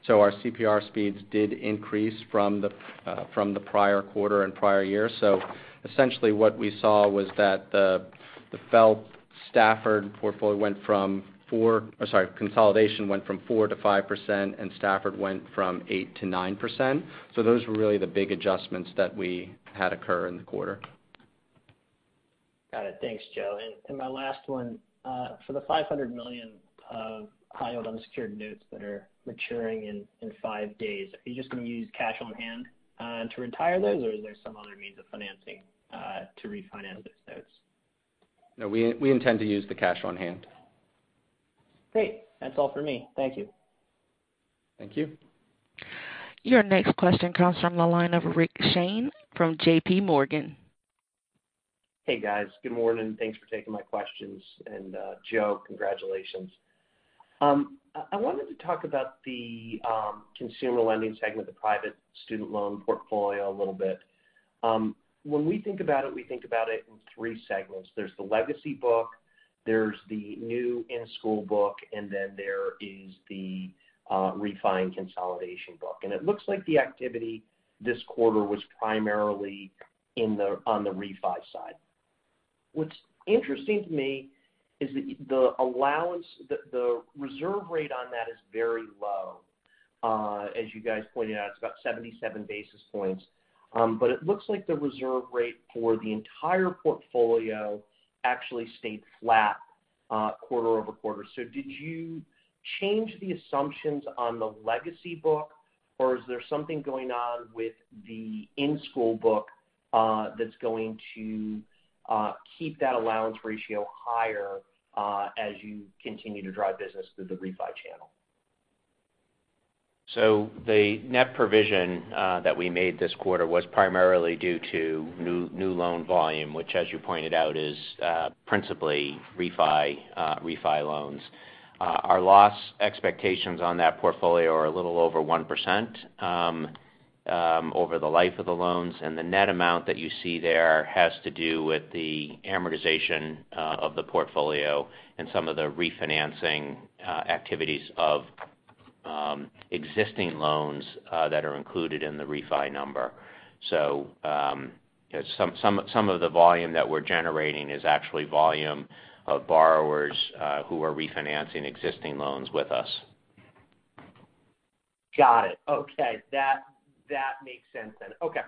Our CPR speeds did increase from the prior quarter and prior year. Essentially what we saw was that the FFELP consolidation went from 4%-5%, and Stafford went from 8%-9%. Those were really the big adjustments that we had occur in the quarter. Got it. Thanks, Joe. My last one, for the $500 million of high-yield unsecured notes that are maturing in five days, are you just going to use cash on hand to retire those, or is there some other means of financing to refinance those notes? No. We intend to use the cash on hand. Great. That's all for me. Thank you. Thank you. Your next question comes from the line of Rick Shane from JPMorgan. Hey, guys. Good morning. Thanks for taking my questions. Joe, congratulations. I wanted to talk about the consumer lending segment, the private student loan portfolio a little bit. When we think about it, we think about it in three segments. There's the legacy book, there's the new in-school book, and then there is the refi and consolidation book. It looks like the activity this quarter was primarily on the refi side. What's interesting to me is the reserve rate on that is very low. As you guys pointed out, it's about 77 basis points. It looks like the reserve rate for the entire portfolio actually stayed flat quarter-over-quarter. Did you change the assumptions on the legacy book, or is there something going on with the in-school book that's going to keep that allowance ratio higher as you continue to drive business through the refi channel? The net provision that we made this quarter was primarily due to new loan volume, which as you pointed out, is principally refi loans. Our loss expectations on that portfolio are a little over 1% over the life of the loans, and the net amount that you see there has to do with the amortization of the portfolio and some of the refinancing activities of existing loans that are included in the refi number. Some of the volume that we're generating is actually volume of borrowers who are refinancing existing loans with us. Got it. Okay. That makes sense then. Okay.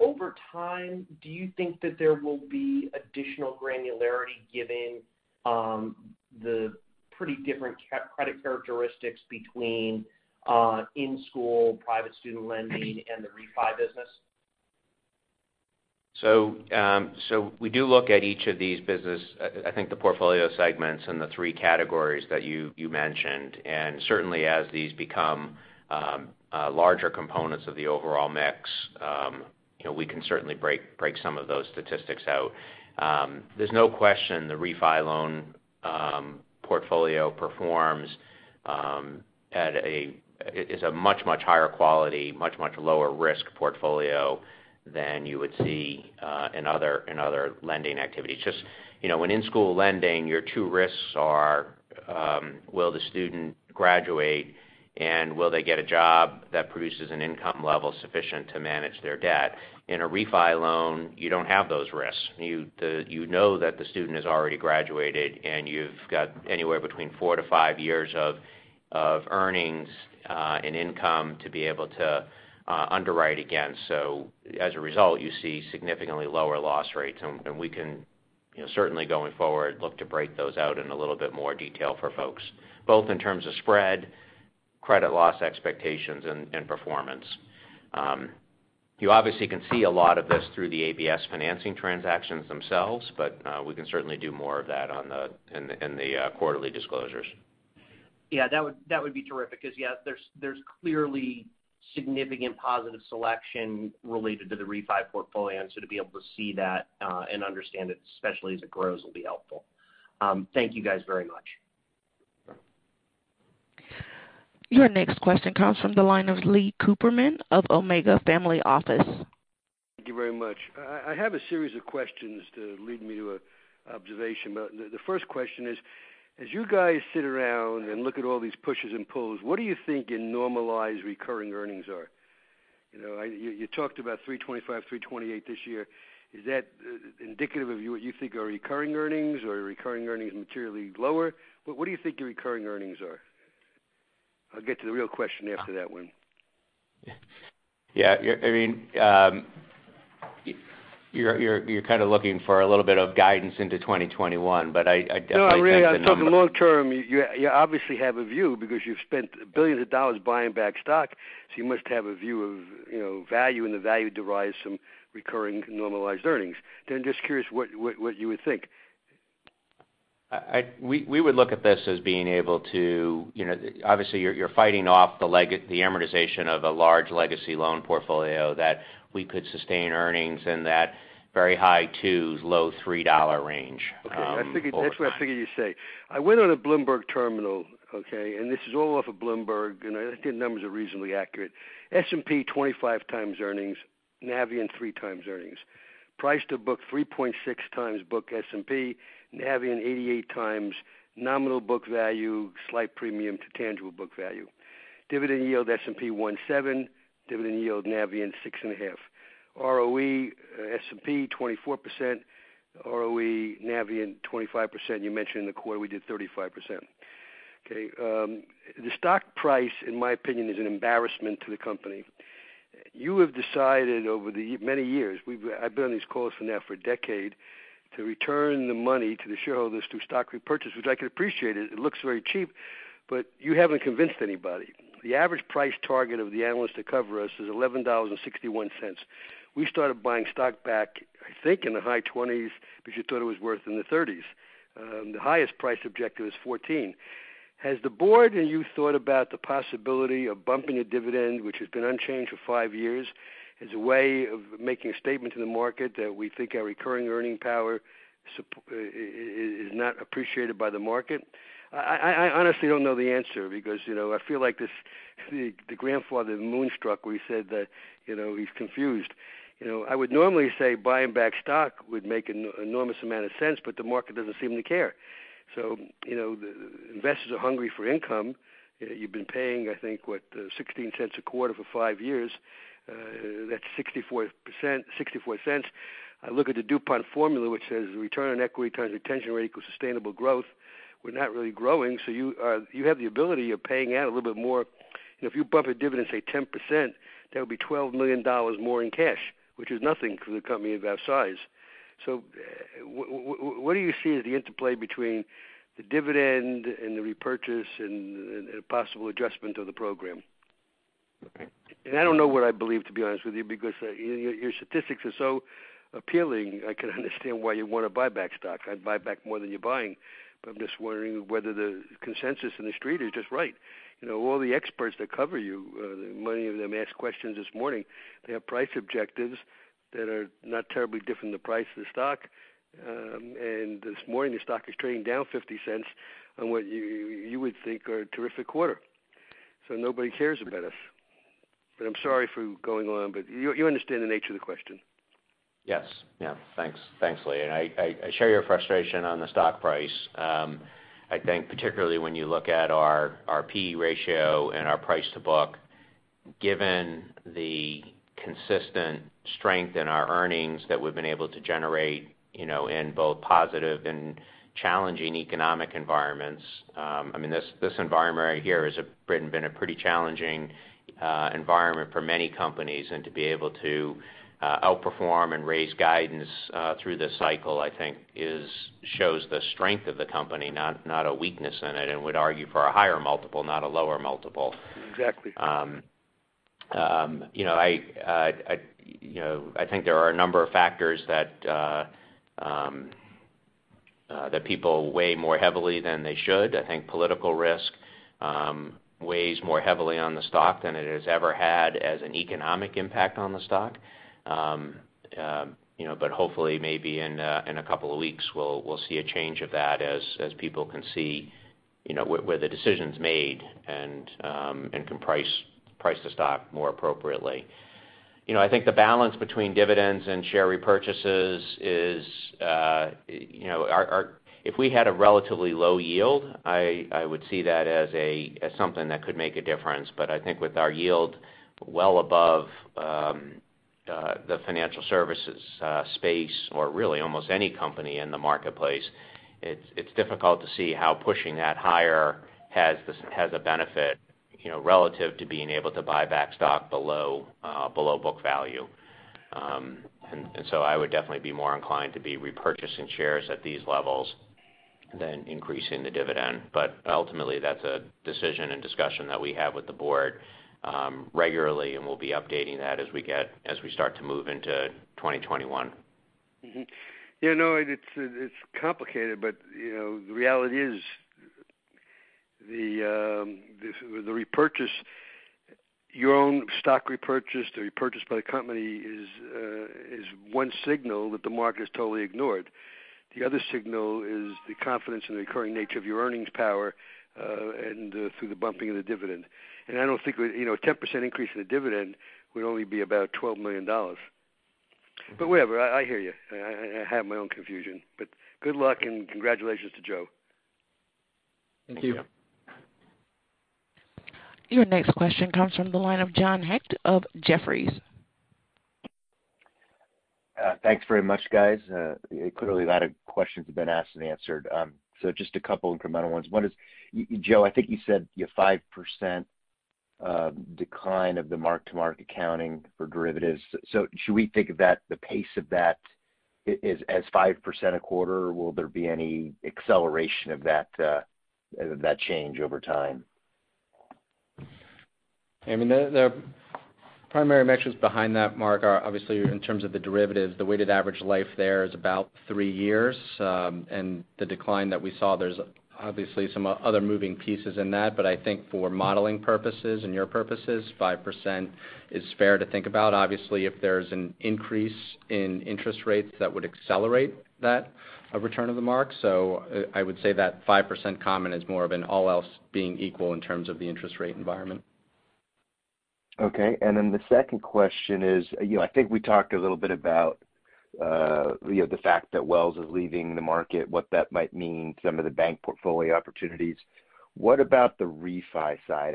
Over time, do you think that there will be additional granularity given the pretty different credit characteristics between in-school private student lending and the refi business? We do look at each of these. I think the portfolio segments and the three categories that you mentioned, and certainly as these become larger components of the overall mix, we can certainly break some of those statistics out. There's no question the refi loan portfolio is a much, much higher quality, much, much lower risk portfolio than you would see in other lending activities. Just, in in-school lending, your two risks are, will the student graduate and will they get a job that produces an income level sufficient to manage their debt? In a refi loan, you don't have those risks. You know that the student has already graduated, and you've got anywhere between four to five years of earnings and income to be able to underwrite again. As a result, you see significantly lower loss rates, and we can certainly going forward look to break those out in a little bit more detail for folks, both in terms of spread, credit loss expectations, and performance. You obviously can see a lot of this through the ABS financing transactions themselves, but we can certainly do more of that in the quarterly disclosures. Yeah, that would be terrific because there's clearly significant positive selection related to the refi portfolio. To be able to see that and understand it, especially as it grows, will be helpful. Thank you guys very much. Your next question comes from the line of Lee Cooperman of Omega Family Office. Thank you very much. I have a series of questions to lead me to an observation. The first question is, as you guys sit around and look at all these pushes and pulls, what do you think your normalized recurring earnings are? You talked about $3.25, $3.28 this year. Is that indicative of what you think are recurring earnings or are recurring earnings materially lower? What do you think your recurring earnings are? I'll get to the real question after that one. Yeah. You're kind of looking for a little bit of guidance into 2021, but I definitely think the number. I'm talking long term. You obviously have a view because you've spent billions of dollars buying back stock, so you must have a view of value, and the value derives from recurring normalized earnings. I'm just curious what you would think. We would look at this as obviously, you're fighting off the amortization of a large legacy loan portfolio that we could sustain earnings in that very high $2s, low $3 range over time. Okay. That's what I figured you'd say. I went on a Bloomberg terminal, okay? This is all off of Bloomberg, and I think the numbers are reasonably accurate. S&P, 25x earnings, Navient, 3x earnings. Price to book, 3.6x book S&P, Navient 0.88x nominal book value, slight premium to tangible book value. Dividend yield, S&P 1.7, dividend yield Navient, 6.5. ROE S&P 24%, ROE Navient 25%. You mentioned in the quarter we did 35%. Okay. The stock price, in my opinion, is an embarrassment to the company. You have decided over the many years, I've been on these calls now for a decade, to return the money to the shareholders through stock repurchase, which I can appreciate it. It looks very cheap, you haven't convinced anybody. The average price target of the analysts that cover us is $11.61. We started buying stock back, I think, in the high 20s because you thought it was worth in the 30s. The highest price objective is 14. Has the board and you thought about the possibility of bumping a dividend, which has been unchanged for five years, as a way of making a statement to the market that we think our recurring earning power is not appreciated by the market? I honestly don't know the answer because I feel like the grandfather in "Moonstruck," where he said that he's confused. I would normally say buying back stock would make an enormous amount of sense, but the market doesn't seem to care. Investors are hungry for income. You've been paying, I think, what, $0.16 a quarter for five years. That's $0.64. I look at the DuPont formula, which says return on equity times retention rate equals sustainable growth. We're not really growing, so you have the ability of paying out a little bit more. If you bump a dividend, say, 10%, that would be $12 million more in cash, which is nothing for the company of our size. What do you see as the interplay between the dividend and the repurchase and a possible adjustment of the program? I don't know what I believe, to be honest with you, because your statistics are so appealing. I can understand why you want to buy back stock. I'd buy back more than you're buying. I'm just wondering whether the consensus in the street is just right. All the experts that cover you, many of them asked questions this morning. They have price objectives that are not terribly different than the price of the stock. This morning, the stock is trading down $0.50 on what you would think are a terrific quarter. Nobody cares about us. I'm sorry for going on. You understand the nature of the question. Yes. Yeah. Thanks, Lee, and I share your frustration on the stock price. I think particularly when you look at our PE ratio and our price to book, given the consistent strength in our earnings that we've been able to generate in both positive and challenging economic environments. This environment right here has been a pretty challenging environment for many companies. To be able to outperform and raise guidance through this cycle, I think shows the strength of the company, not a weakness in it, and would argue for a higher multiple, not a lower multiple. Exactly. I think there are a number of factors that people weigh more heavily than they should. I think political risk weighs more heavily on the stock than it has ever had as an economic impact on the stock. Hopefully, maybe in a couple of weeks, we'll see a change of that as people can see where the decision's made and can price the stock more appropriately. I think the balance between dividends and share repurchases is If we had a relatively low yield, I would see that as something that could make a difference. I think with our yield well above the financial services space, or really almost any company in the marketplace, it's difficult to see how pushing that higher has a benefit relative to being able to buy back stock below book value. I would definitely be more inclined to be repurchasing shares at these levels than increasing the dividend. Ultimately, that's a decision and discussion that we have with the Board regularly, and we'll be updating that as we start to move into 2021. It's complicated, the reality is the repurchase by the company is one signal that the market has totally ignored. The other signal is the confidence in the recurring nature of your earnings power through the bumping of the dividend. I don't think a 10% increase in the dividend would only be about $12 million. Whatever. I hear you. I have my own confusion. Good luck, and congratulations to Joe. Thank you. Your next question comes from the line of John Hecht of Jefferies. Thanks very much, guys. Clearly, a lot of questions have been asked and answered. Just a couple incremental ones. One is, Joe, I think you said your 5% decline of the mark-to-market accounting for derivatives. Should we think of the pace of that as 5% a quarter, or will there be any acceleration of that change over time? The primary metrics behind that, mark, are obviously in terms of the derivatives. The weighted average life there is about three years. The decline that we saw, there's obviously some other moving pieces in that. I think for modeling purposes and your purposes, 5% is fair to think about. Obviously, if there's an increase in interest rates, that would accelerate that return of the mark. I would say that 5% comment is more of an all else being equal in terms of the interest rate environment. Okay. The second question is, I think we talked a little bit about the fact that Wells is leaving the market, what that might mean, some of the bank portfolio opportunities. What about the refi side?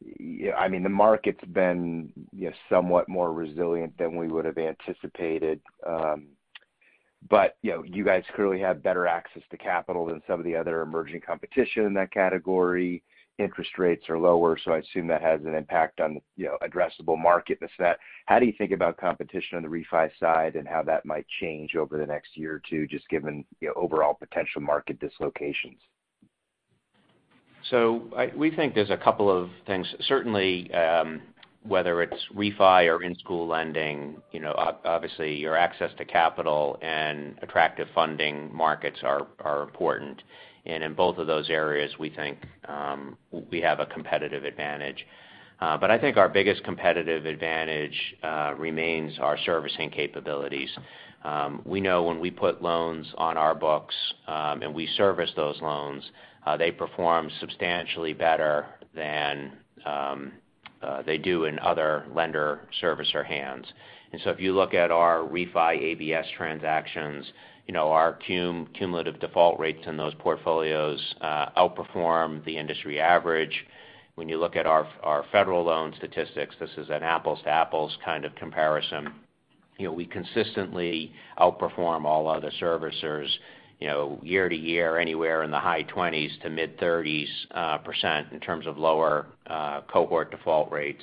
The market's been somewhat more resilient than we would have anticipated. You guys clearly have better access to capital than some of the other emerging competition in that category. Interest rates are lower, I assume that has an impact on the addressable market and this, that. How do you think about competition on the refi side and how that might change over the next year or two, just given overall potential market dislocations? We think there's a couple of things. Certainly, whether it's refi or in-school lending, obviously, your access to capital and attractive funding markets are important. In both of those areas, we think we have a competitive advantage. I think our biggest competitive advantage remains our servicing capabilities. We know when we put loans on our books and we service those loans, they perform substantially better than they do in other lender servicer hands. If you look at our refi ABS transactions, our cumulative default rates in those portfolios outperform the industry average. When you look at our federal loan statistics, this is an apples to apples kind of comparison. We consistently outperform all other servicers year to year anywhere in the high-20s to mid-30%s in terms of lower cohort default rates.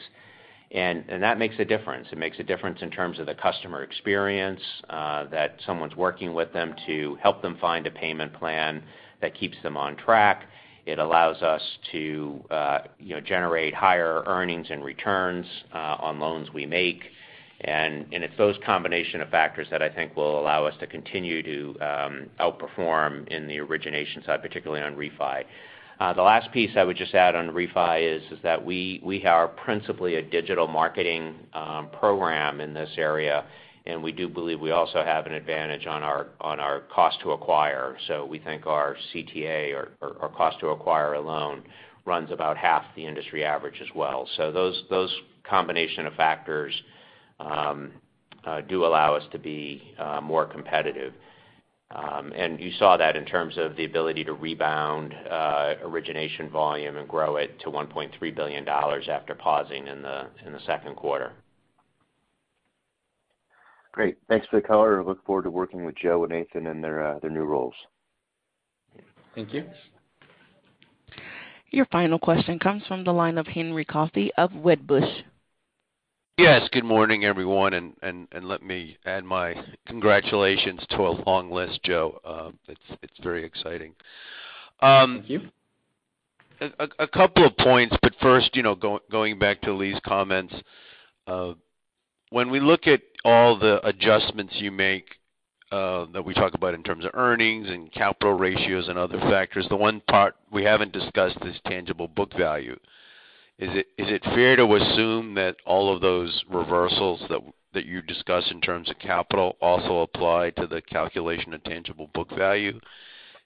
That makes a difference. It makes a difference in terms of the customer experience, that someone's working with them to help them find a payment plan that keeps them on track. It allows us to generate higher earnings and returns on loans we make. It's those combination of factors that I think will allow us to continue to outperform in the origination side, particularly on refi. The last piece I would just add on refi is that we are principally a digital marketing program in this area, and we do believe we also have an advantage on our cost to acquire. We think our CTA or cost to acquire a loan runs about half the industry average as well. Those combination of factors do allow us to be more competitive. You saw that in terms of the ability to rebound origination volume and grow it to $1.3 billion after pausing in the second quarter. Great. Thanks for the color. Look forward to working with Joe and Nathan in their new roles. Thank you. Your final question comes from the line of Henry Coffey of Wedbush. Yes. Good morning, everyone. Let me add my congratulations to a long list, Joe. It's very exciting. Thank you. A couple of points. First, going back to Lee's comments. When we look at all the adjustments you make that we talk about in terms of earnings and capital ratios and other factors, the one part we haven't discussed is tangible book value. Is it fair to assume that all of those reversals that you discussed in terms of capital also apply to the calculation of tangible book value?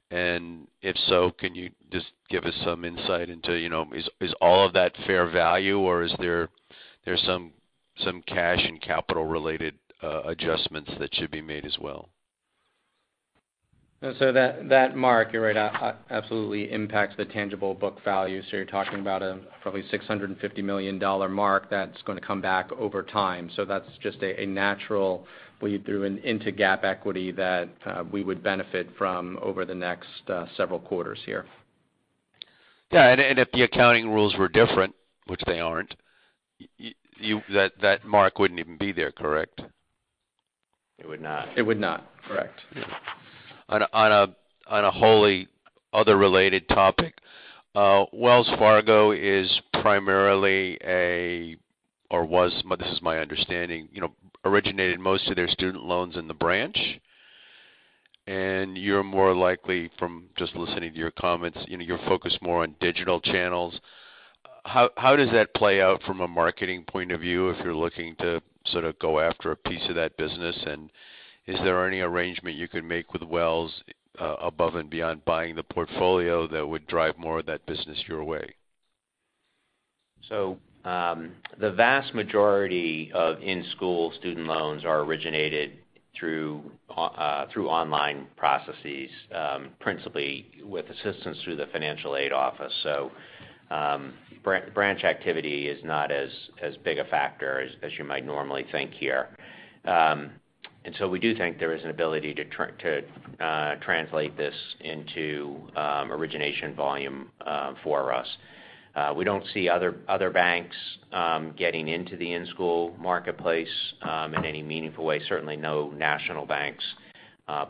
If so, can you just give us some insight into, is all of that fair value, or is there some cash and capital related adjustments that should be made as well? That mark, you're right, absolutely impacts the tangible book value. You're talking about a probably $650 million mark that's going to come back over time. That's just a natural bleed through into GAAP equity that we would benefit from over the next several quarters here. Yeah. If the accounting rules were different, which they aren't, that mark wouldn't even be there, correct? It would not. It would not. Correct. On a wholly other related topic, Wells Fargo is primarily a, or was, this is my understanding, originated most of their student loans in the branch. You're more likely, from just listening to your comments, you're focused more on digital channels. How does that play out from a marketing point of view if you're looking to sort of go after a piece of that business, and is there any arrangement you could make with Wells above and beyond buying the portfolio that would drive more of that business your way? The vast majority of in-school student loans are originated through online processes, principally with assistance through the financial aid office. Branch activity is not as big a factor as you might normally think here. We do think there is an ability to translate this into origination volume for us. We don't see other banks getting into the in-school marketplace in any meaningful way. Certainly, no national banks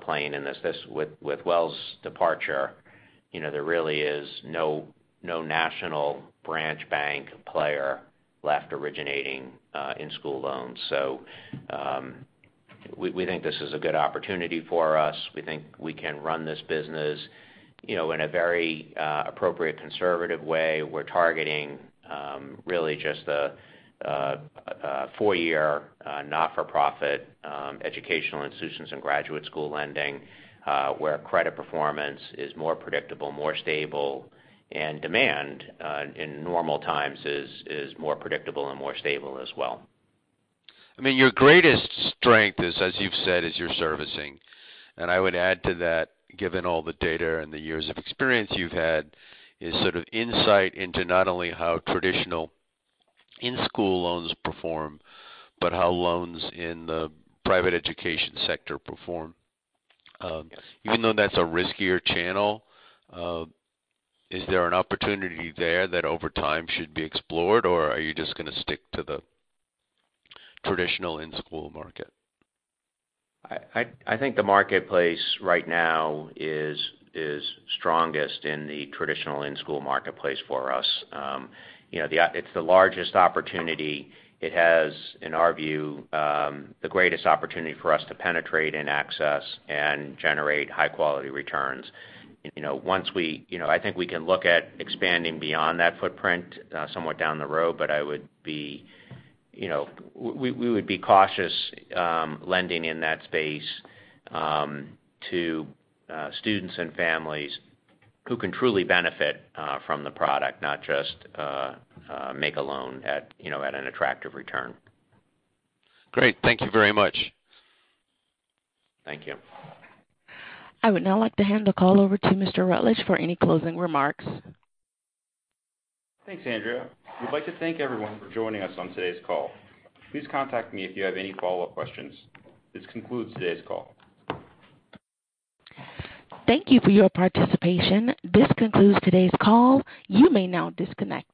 playing in this. With Wells' departure, there really is no national branch bank player left originating in-school loans. We think this is a good opportunity for us. We think we can run this business in a very appropriate, conservative way. We're targeting really just the four-year not-for-profit educational institutions and graduate school lending where credit performance is more predictable, more stable, and demand in normal times is more predictable and more stable as well. I mean, your greatest strength is, as you've said, is your servicing. I would add to that, given all the data and the years of experience you've had, is sort of insight into not only how traditional in-school loans perform, but how loans in the private education sector perform. Yes. Even though that's a riskier channel, is there an opportunity there that over time should be explored, or are you just going to stick to the traditional in-school market? I think the marketplace right now is strongest in the traditional in-school marketplace for us. It's the largest opportunity. It has, in our view, the greatest opportunity for us to penetrate and access and generate high-quality returns. I think we can look at expanding beyond that footprint somewhat down the road, but we would be cautious lending in that space to students and families who can truly benefit from the product, not just make a loan at an attractive return. Great. Thank you very much. Thank you. I would now like to hand the call over to Mr. Rutledge for any closing remarks. Thanks, Andrew. We'd like to thank everyone for joining us on today's call. Please contact me if you have any follow-up questions. This concludes today's call. Thank you for your participation. This concludes today's call. You may now disconnect.